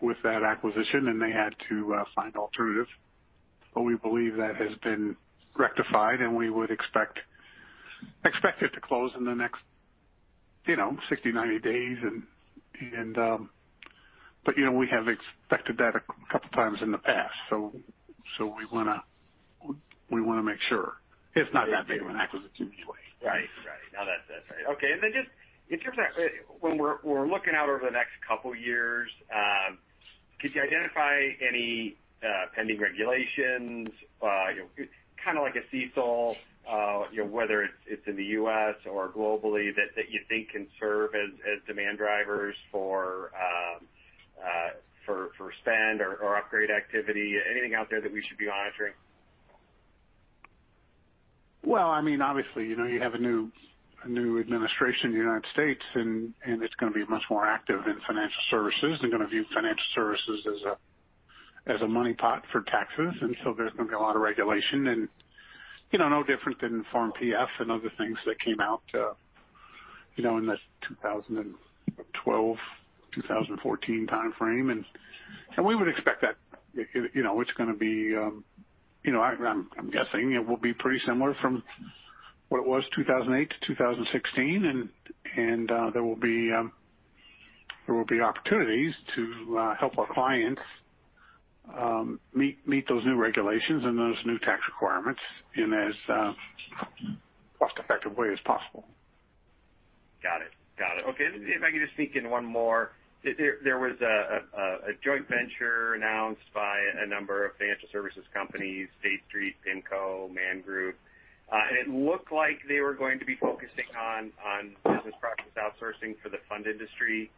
with that acquisition, and they had to find alternatives. We believe that has been rectified, and we would expect it to close in the next 60, 90 days. We have expected that a couple of times in the past, so we want to make sure. It's not that big of an acquisition anyway. Right. No, that's right. Okay. Just in terms of when we're looking out over the next couple of years, could you identify any pending regulations, kind of like a see-saw, whether it's in the U.S. or globally, that you think can serve as demand drivers for spend or upgrade activity? Anything out there that we should be monitoring? Well, obviously, you have a new administration in the United States. It's going to be much more active in financial services. They're going to view financial services as a money pot for taxes. There's going to be a lot of regulation and no different than Form PF and other things that came out in the 2012, 2014 timeframe. We would expect that it's going to be- I'm guessing, it will be pretty similar from what it was 2008 to 2016. There will be opportunities to help our clients meet those new regulations and those new tax requirements in as cost-effective way as possible. Got it. Okay. If I could just sneak in one more. There was a joint venture announced by a number of financial services companies, State Street, PIMCO, Man Group. It looked like they were going to be focusing on business process outsourcing for the fund industry.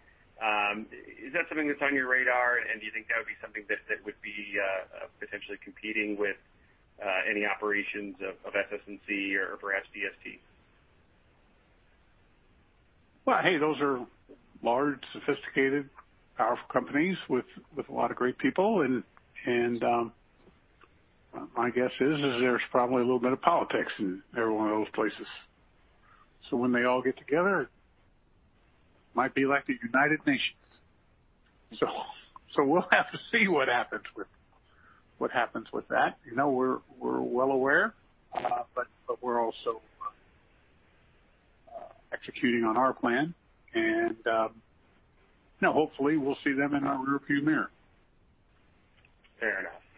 Is that something that's on your radar? Do you think that would be something that would be potentially competing with any operations of SS&C or perhaps DST? Well, hey, those are large, sophisticated, powerful companies with a lot of great people. My guess is, there's probably a little bit of politics in every one of those places. When they all get together, it might be like the United Nations. We'll have to see what happens with that. We're well aware. We're also executing on our plan, and hopefully, we'll see them in our rear-view mirror.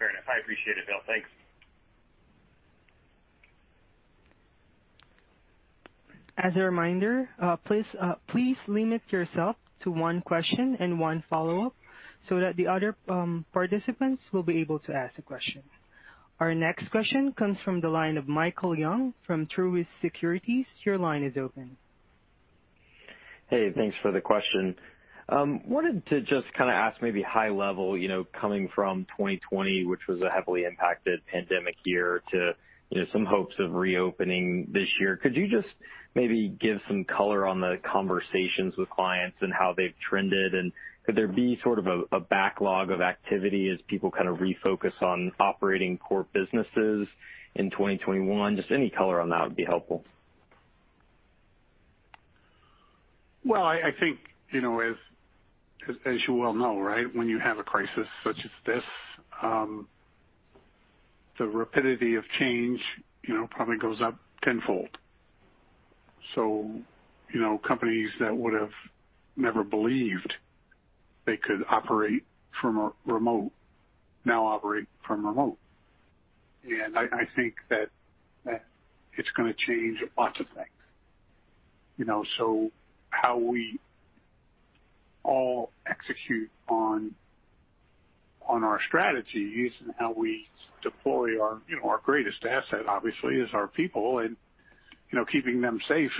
Fair enough. I appreciate it, Bill. Thanks. As a reminder, please limit yourself to one question and one follow-up so that the other participants will be able to ask a question. Our next question comes from the line of Michael Young from Truist Securities. Hey, thanks for the question. I wanted to just kind of ask maybe high level, coming from 2020, which was a heavily impacted pandemic year to some hopes of reopening this year. Could you just maybe give some color on the conversations with clients and how they've trended? Could there be sort of a backlog of activity as people kind of refocus on operating core businesses in 2021? Just any color on that would be helpful. Well, I think, as you well know, when you have a crisis such as this, the rapidity of change probably goes up tenfold. Companies that would have never believed they could operate from remote now operate from remote. I think that it's going to change lots of things. How we all execute on our strategies and how we deploy our greatest asset, obviously, is our people. Keeping them safe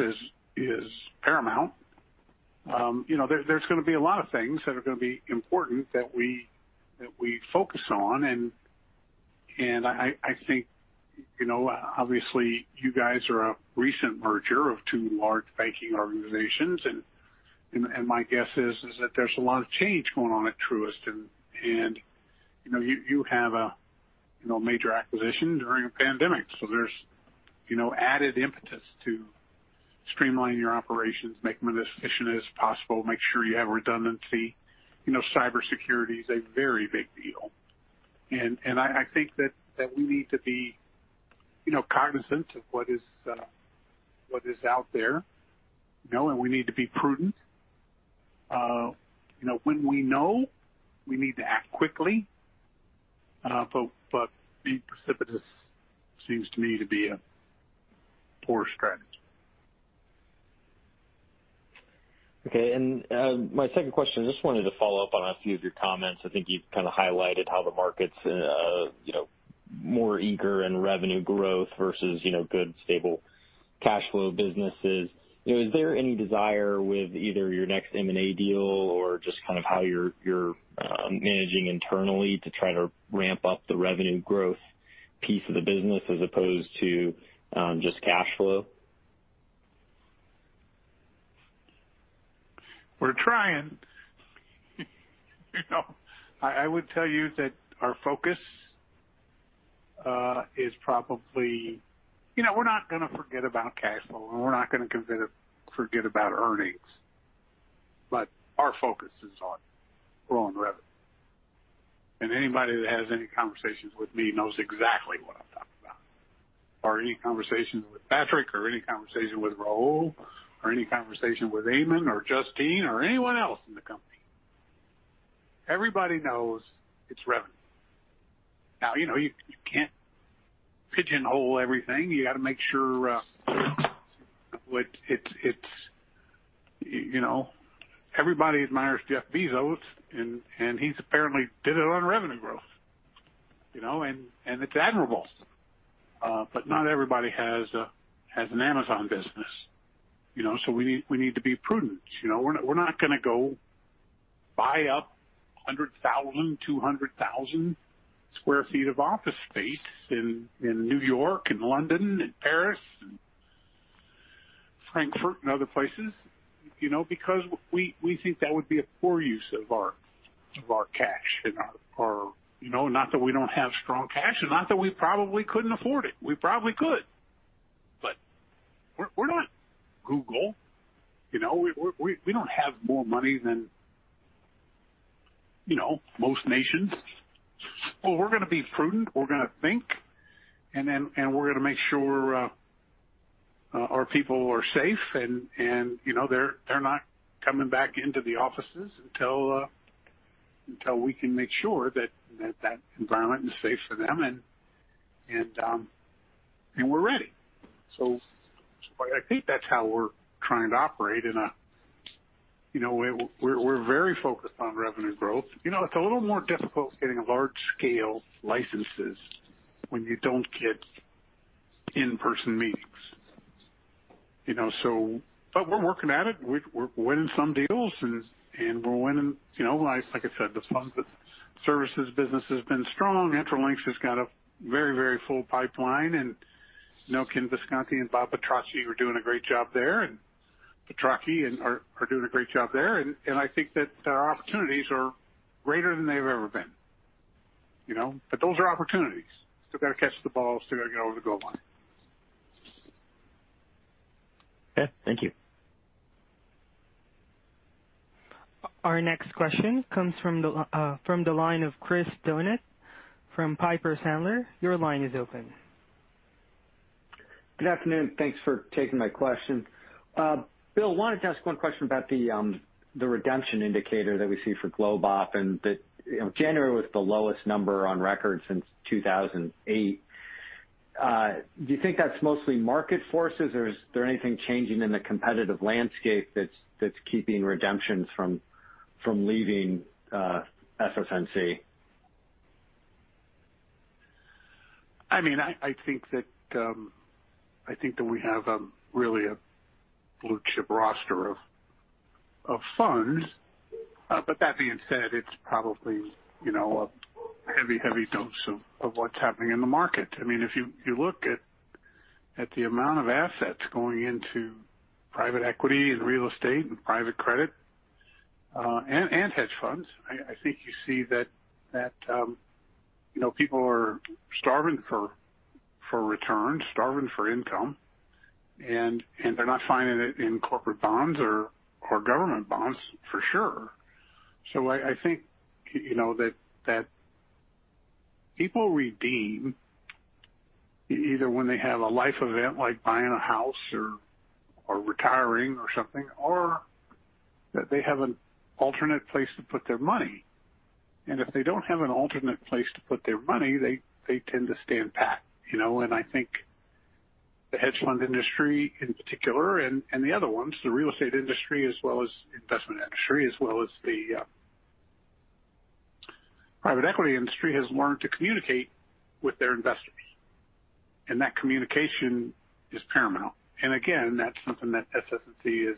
is paramount. There's going to be a lot of things that are going to be important that we focus on. I think, obviously, you guys are a recent merger of two large banking organizations. My guess is that there's a lot of change going on at Truist- you have a major acquisition during a pandemic. There's added impetus to streamlining your operations, make them as efficient as possible, make sure you have redundancy. Cybersecurity is a very big deal. I think that we need to be cognizant of what is out there. We need to be prudent. When we know, we need to act quickly. Being precipitous seems to me to be a poor strategy. Okay. My second question, just wanted to follow up on a few of your comments. I think you've kind of highlighted how the market's more eager in revenue growth versus good stable cash flow businesses. Is there any desire with either your next M&A deal or just kind of how you're managing internally to try to ramp up the revenue growth piece of the business as opposed to just cash flow? We're trying. I would tell you that our focus is probably- we're not going to forget about cash flow, and we're not going to forget about earnings. Our focus is on growing revenue. And anybody that has any conversations with me knows exactly what I'm talking about. Any conversations with Patrick, or any conversation with Rahul, or any conversation with Eamonn or Justine or anyone else in the company. Everybody knows it's revenue. You can't pigeonhole everything. Everybody admires Jeff Bezos, and he's apparently did it on revenue growth. It's admirable. Not everybody has an Amazon business. We need to be prudent. We're not going to go buy up 100,000, 200,000 sq ft of office space in New York and London and Paris and Frankfurt and other places, because we think that would be a poor use of our cash. Not that we don't have strong cash, not that we probably couldn't afford it. We probably could. We're not Google. We don't have more money than most nations. We're going to be prudent, we're going to think, and we're going to make sure our people are safe, and they're not coming back into the offices until we can make sure that that environment is safe for them and we're ready. I think that's how we're trying to operate. We're very focused on revenue growth. It's a little more difficult getting large-scale licenses when you don't get in-person meetings. We're working at it. We're winning some deals, and we're winning. Like I said, the funds services business has been strong. Intralinks has got a very full pipeline, and Ken Bisconti and Bob Petrocchi are doing a great job there. I think that our opportunities are greater than they've ever been. Those are opportunities. Still got to catch the ball, still got to get over the goal line. Okay. Thank you. Our next question comes from the line of Chris Donat from Piper Sandler. Your line is open. Good afternoon, thanks for taking my question. Bill, wanted to ask one question about the redemption indicator that we see for GlobeOp and that January was the lowest number on record since 2008. Do you think that's mostly market forces, or is there anything changing in the competitive landscape that's keeping redemptions from leaving SS&C? I think that we have really a blue-chip roster of funds. That being said, it's probably a heavy dose of what's happening in the market. If you look at the amount of assets going into private equity and real estate and private credit, and hedge funds, I think you see that people are starving for returns, starving for income, and they're not finding it in corporate bonds or government bonds, for sure. I think that people redeem either when they have a life event, like buying a house or retiring or something, or that they have an alternate place to put their money. If they don't have an alternate place to put their money, they tend to stay intact. I think the hedge fund industry in particular, and the other ones, the real estate industry, as well as investment industry, as well as the private equity industry, has learned to communicate with their investors. That communication is paramount. Again, that's something that SS&C is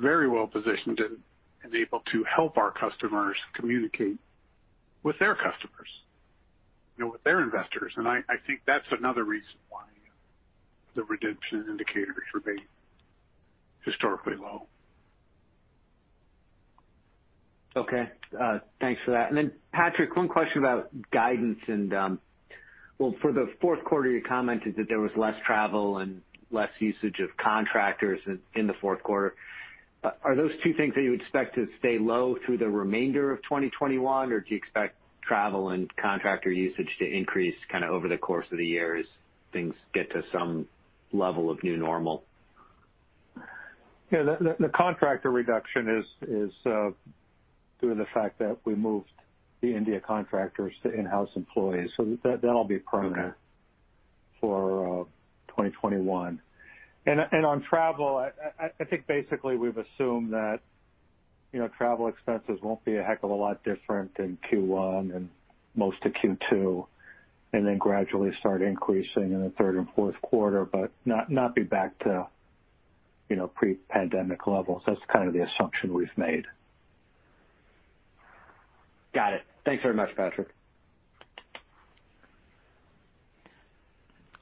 very well positioned and is able to help our customers communicate with their customers, with their investors. I think that's another reason why the redemption indicators remain historically low. Okay. Thanks for that. Patrick, one question about guidance. Well, for the fourth quarter, you commented that there was less travel and less usage of contractors in the fourth quarter. Are those two things that you expect to stay low through the remainder of 2021, or do you expect travel and contractor usage to increase over the course of the year as things get to some level of new normal? Yeah. The contractor reduction is due to the fact that we moved the India contractors to in-house employees. That'll be permanent for 2021. On travel, I think basically we've assumed that travel expenses won't be a heck of a lot different in Q1 and most of Q2, and then gradually start increasing in the third and fourth quarter, but not be back to pre-pandemic levels. That's kind of the assumption we've made. Got it. Thanks very much, Patrick.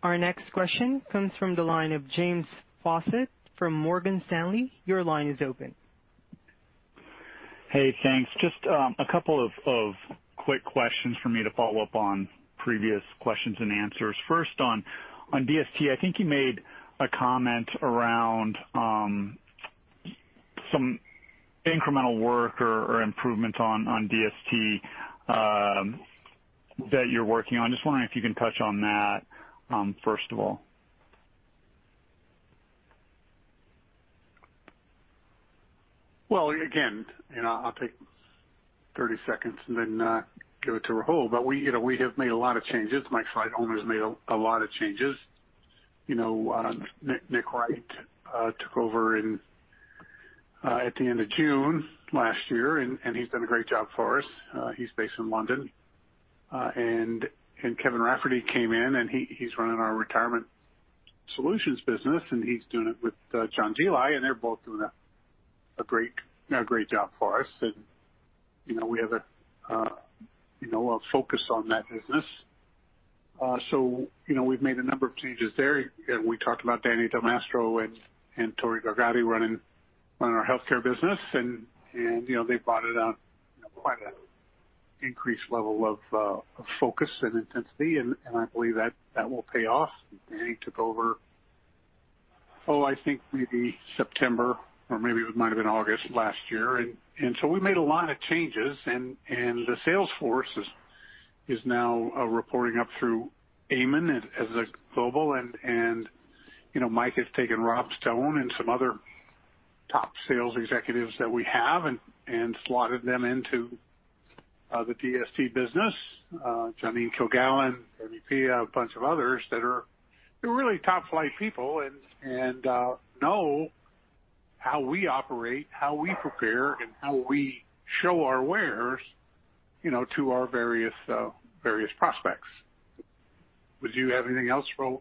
Our next question comes from the line of James Faucette from Morgan Stanley. Your line is open. Hey, thanks. Just a couple of quick questions for me to follow up on previous questions and answers. First on DST, I think you made a comment around some incremental work or improvements on DST that you're working on. Just wondering if you can touch on that, first of all? Again, I'll take 30 seconds and then give it to Rahul. We have made a lot of changes. Mike Sleightholme has made a lot of changes. Nick Wright took over at the end of June last year, and he's done a great job for us. He's based in London. Kevin Rafferty came in, and he's running our Retirement Solutions business, and he's doing it with John Geli, and they're both doing a great job for us. We have a focus on that business. We've made a number of changes there. We talked about Danny DelMastro and Tori Dargati running our Health business, and they brought quite an increased level of focus and intensity, and I believe that will pay off. Danny took over, I think maybe September, or maybe it might have been August last year. We made a lot of changes, and the sales force is now reporting up through Eamonn as global. Mike has taken Rob Stone and some other top sales executives that we have and slotted them into the DST business. Johnine Kilgallon, SVP, a bunch of others that are really top-flight people and know how we operate, how we prepare, and how we show our wares to our various prospects. Would you have anything else, Rahul?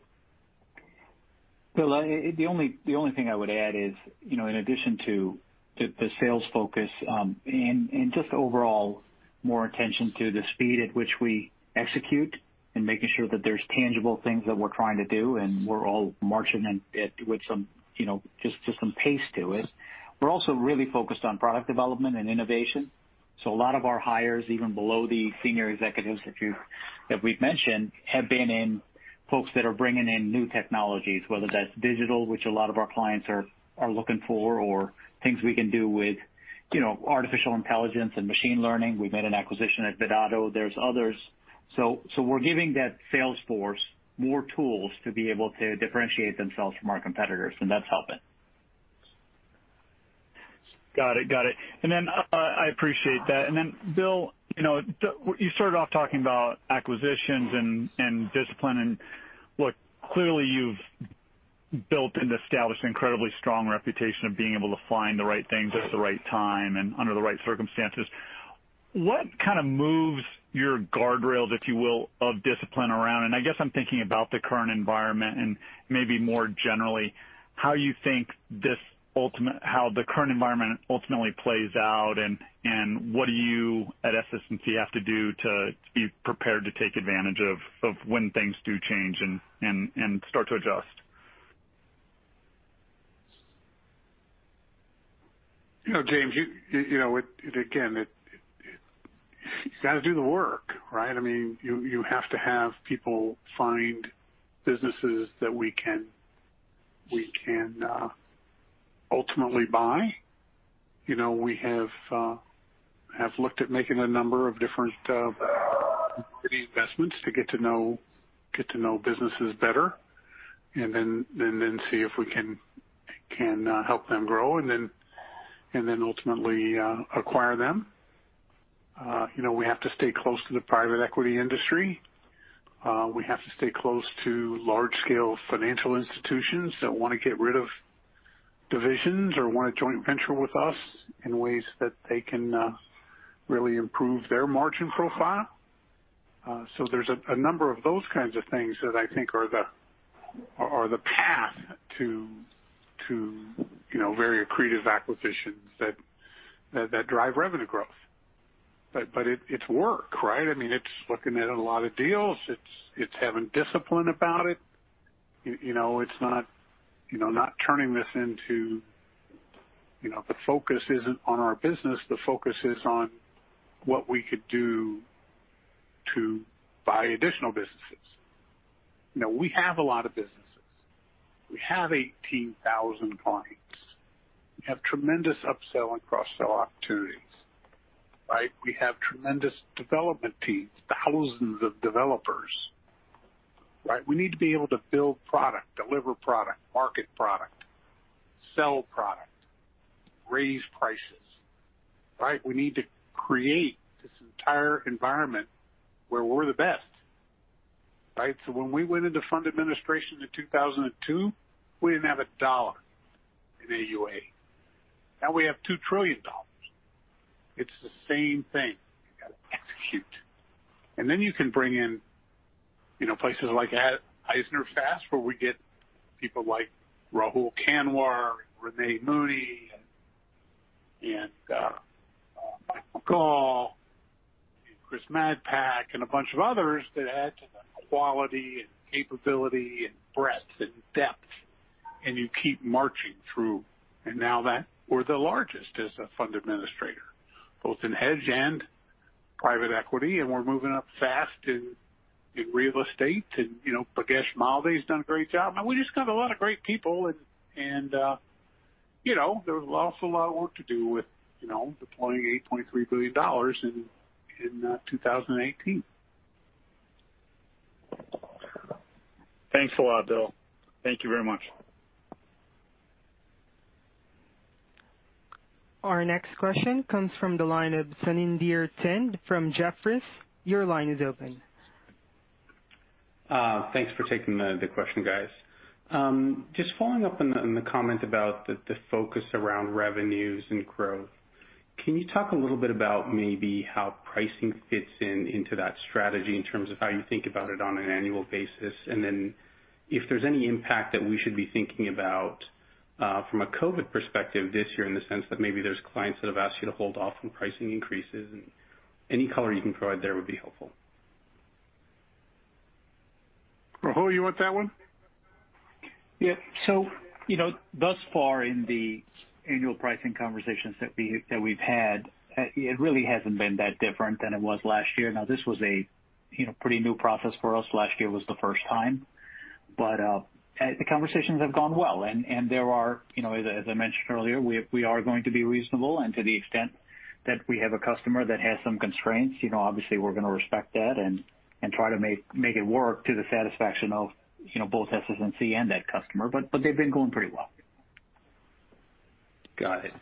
Bill, the only thing I would add is, in addition to the sales focus and just overall more attention to the speed at which we execute and making sure that there's tangible things that we're trying to do, and we're all marching with some pace to it. We're also really focused on product development and innovation. A lot of our hires, even below the senior executives that we've mentioned, have been in folks that are bringing in new technologies, whether that's digital, which a lot of our clients are looking for, or things we can do with artificial intelligence and machine learning. We made an acquisition at Vidado. There's others. We're giving that sales force more tools to be able to differentiate themselves from our competitors, and that's helping. Got it. I appreciate that. Bill, you started off talking about acquisitions and discipline, and look, clearly, you've built and established an incredibly strong reputation of being able to find the right things at the right time and under the right circumstances. What kind of moves your guardrails, if you will, of discipline around? I guess I'm thinking about the current environment and maybe more generally, how the current environment ultimately plays out and what do you at SS&C have to do to be prepared to take advantage of when things do change and start to adjust? James, again, you got to do the work, right? You have to have people find businesses that we can ultimately buy. We have looked at making a number of different investments to get to know businesses better and then see if we can help them grow and then ultimately acquire them. We have to stay close to the private equity industry. We have to stay close to large-scale financial institutions that want to get rid of divisions or want to joint venture with us in ways that they can really improve their margin profile. There's a number of those kinds of things that I think are the path to very accretive acquisitions that drive revenue growth. It's work, right? It's looking at a lot of deals. It's having discipline about it. The focus isn't on our business. The focus is on what we could do to buy additional businesses. We have a lot of businesses. We have 18,000 clients. We have tremendous upsell and cross-sell opportunities, right? We have tremendous development teams, thousands of developers, right? We need to be able to build product, deliver product, market product, sell product, raise prices, right? We need to create this entire environment where we're the best, right? When we went into Fund Administration in 2002, we didn't have a dollar in AuA. Now we have $2 trillion. It's the same thing. You got to execute. Then you can bring in places like Eisnerfast, where we get people like Rahul Kanwar, Renee Mooney, and Michael Ball, and Chris Madpak, and a bunch of others that add to the quality and capability and breadth and depth, and you keep marching through. Now we're the largest as a fund administrator, both in hedge and Private equity, and we're moving up fast in real estate. Bhagesh Malde has done a great job. We just got a lot of great people, and there's an awful lot of work to do with deploying $8.3 billion in 2018. Thanks a lot, Bill. Thank you very much. Our next question comes from the line of Surinder Thind from Jefferies. Your line is open. Thanks for taking the question, guys. Just following up on the comment about the focus around revenues and growth, can you talk a little bit about maybe how pricing fits into that strategy in terms of how you think about it on an annual basis? If there's any impact that we should be thinking about from a COVID perspective this year, in the sense that maybe there's clients that have asked you to hold off on pricing increases. Any color you can provide there would be helpful. Rahul, you want that one? Yeah. Thus far in the annual pricing conversations that we've had, it really hasn't been that different than it was last year. This was a pretty new process for us. Last year was the first time. The conversations have gone well, and there are, as I mentioned earlier, we are going to be reasonable and to the extent that we have a customer that has some constraints, obviously, we're going to respect that and try to make it work to the satisfaction of both SS&C and that customer. They've been going pretty well. Got it.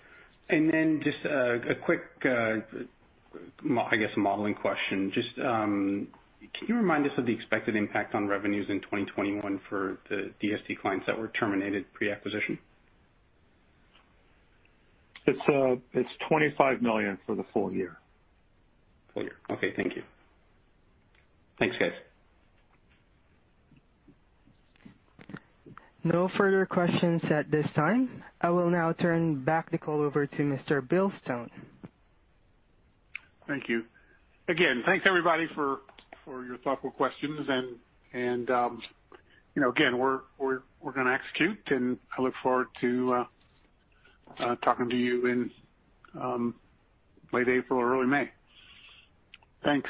Just a quick, I guess, modeling question. Can you remind us of the expected impact on revenues in 2021 for the DST clients that were terminated pre-acquisition? It's $25 million for the full year. Okay. Thank you. Thanks, guys. No further questions at this time. I will now turn back the call over to Mr. Bill Stone. Thank you. Again, thanks, everybody, for your thoughtful questions. Again, we're going to execute, and I look forward to talking to you in late April or early May. Thanks.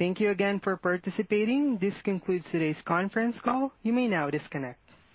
Thank you again for participating. This concludes today's conference call. You may now disconnect.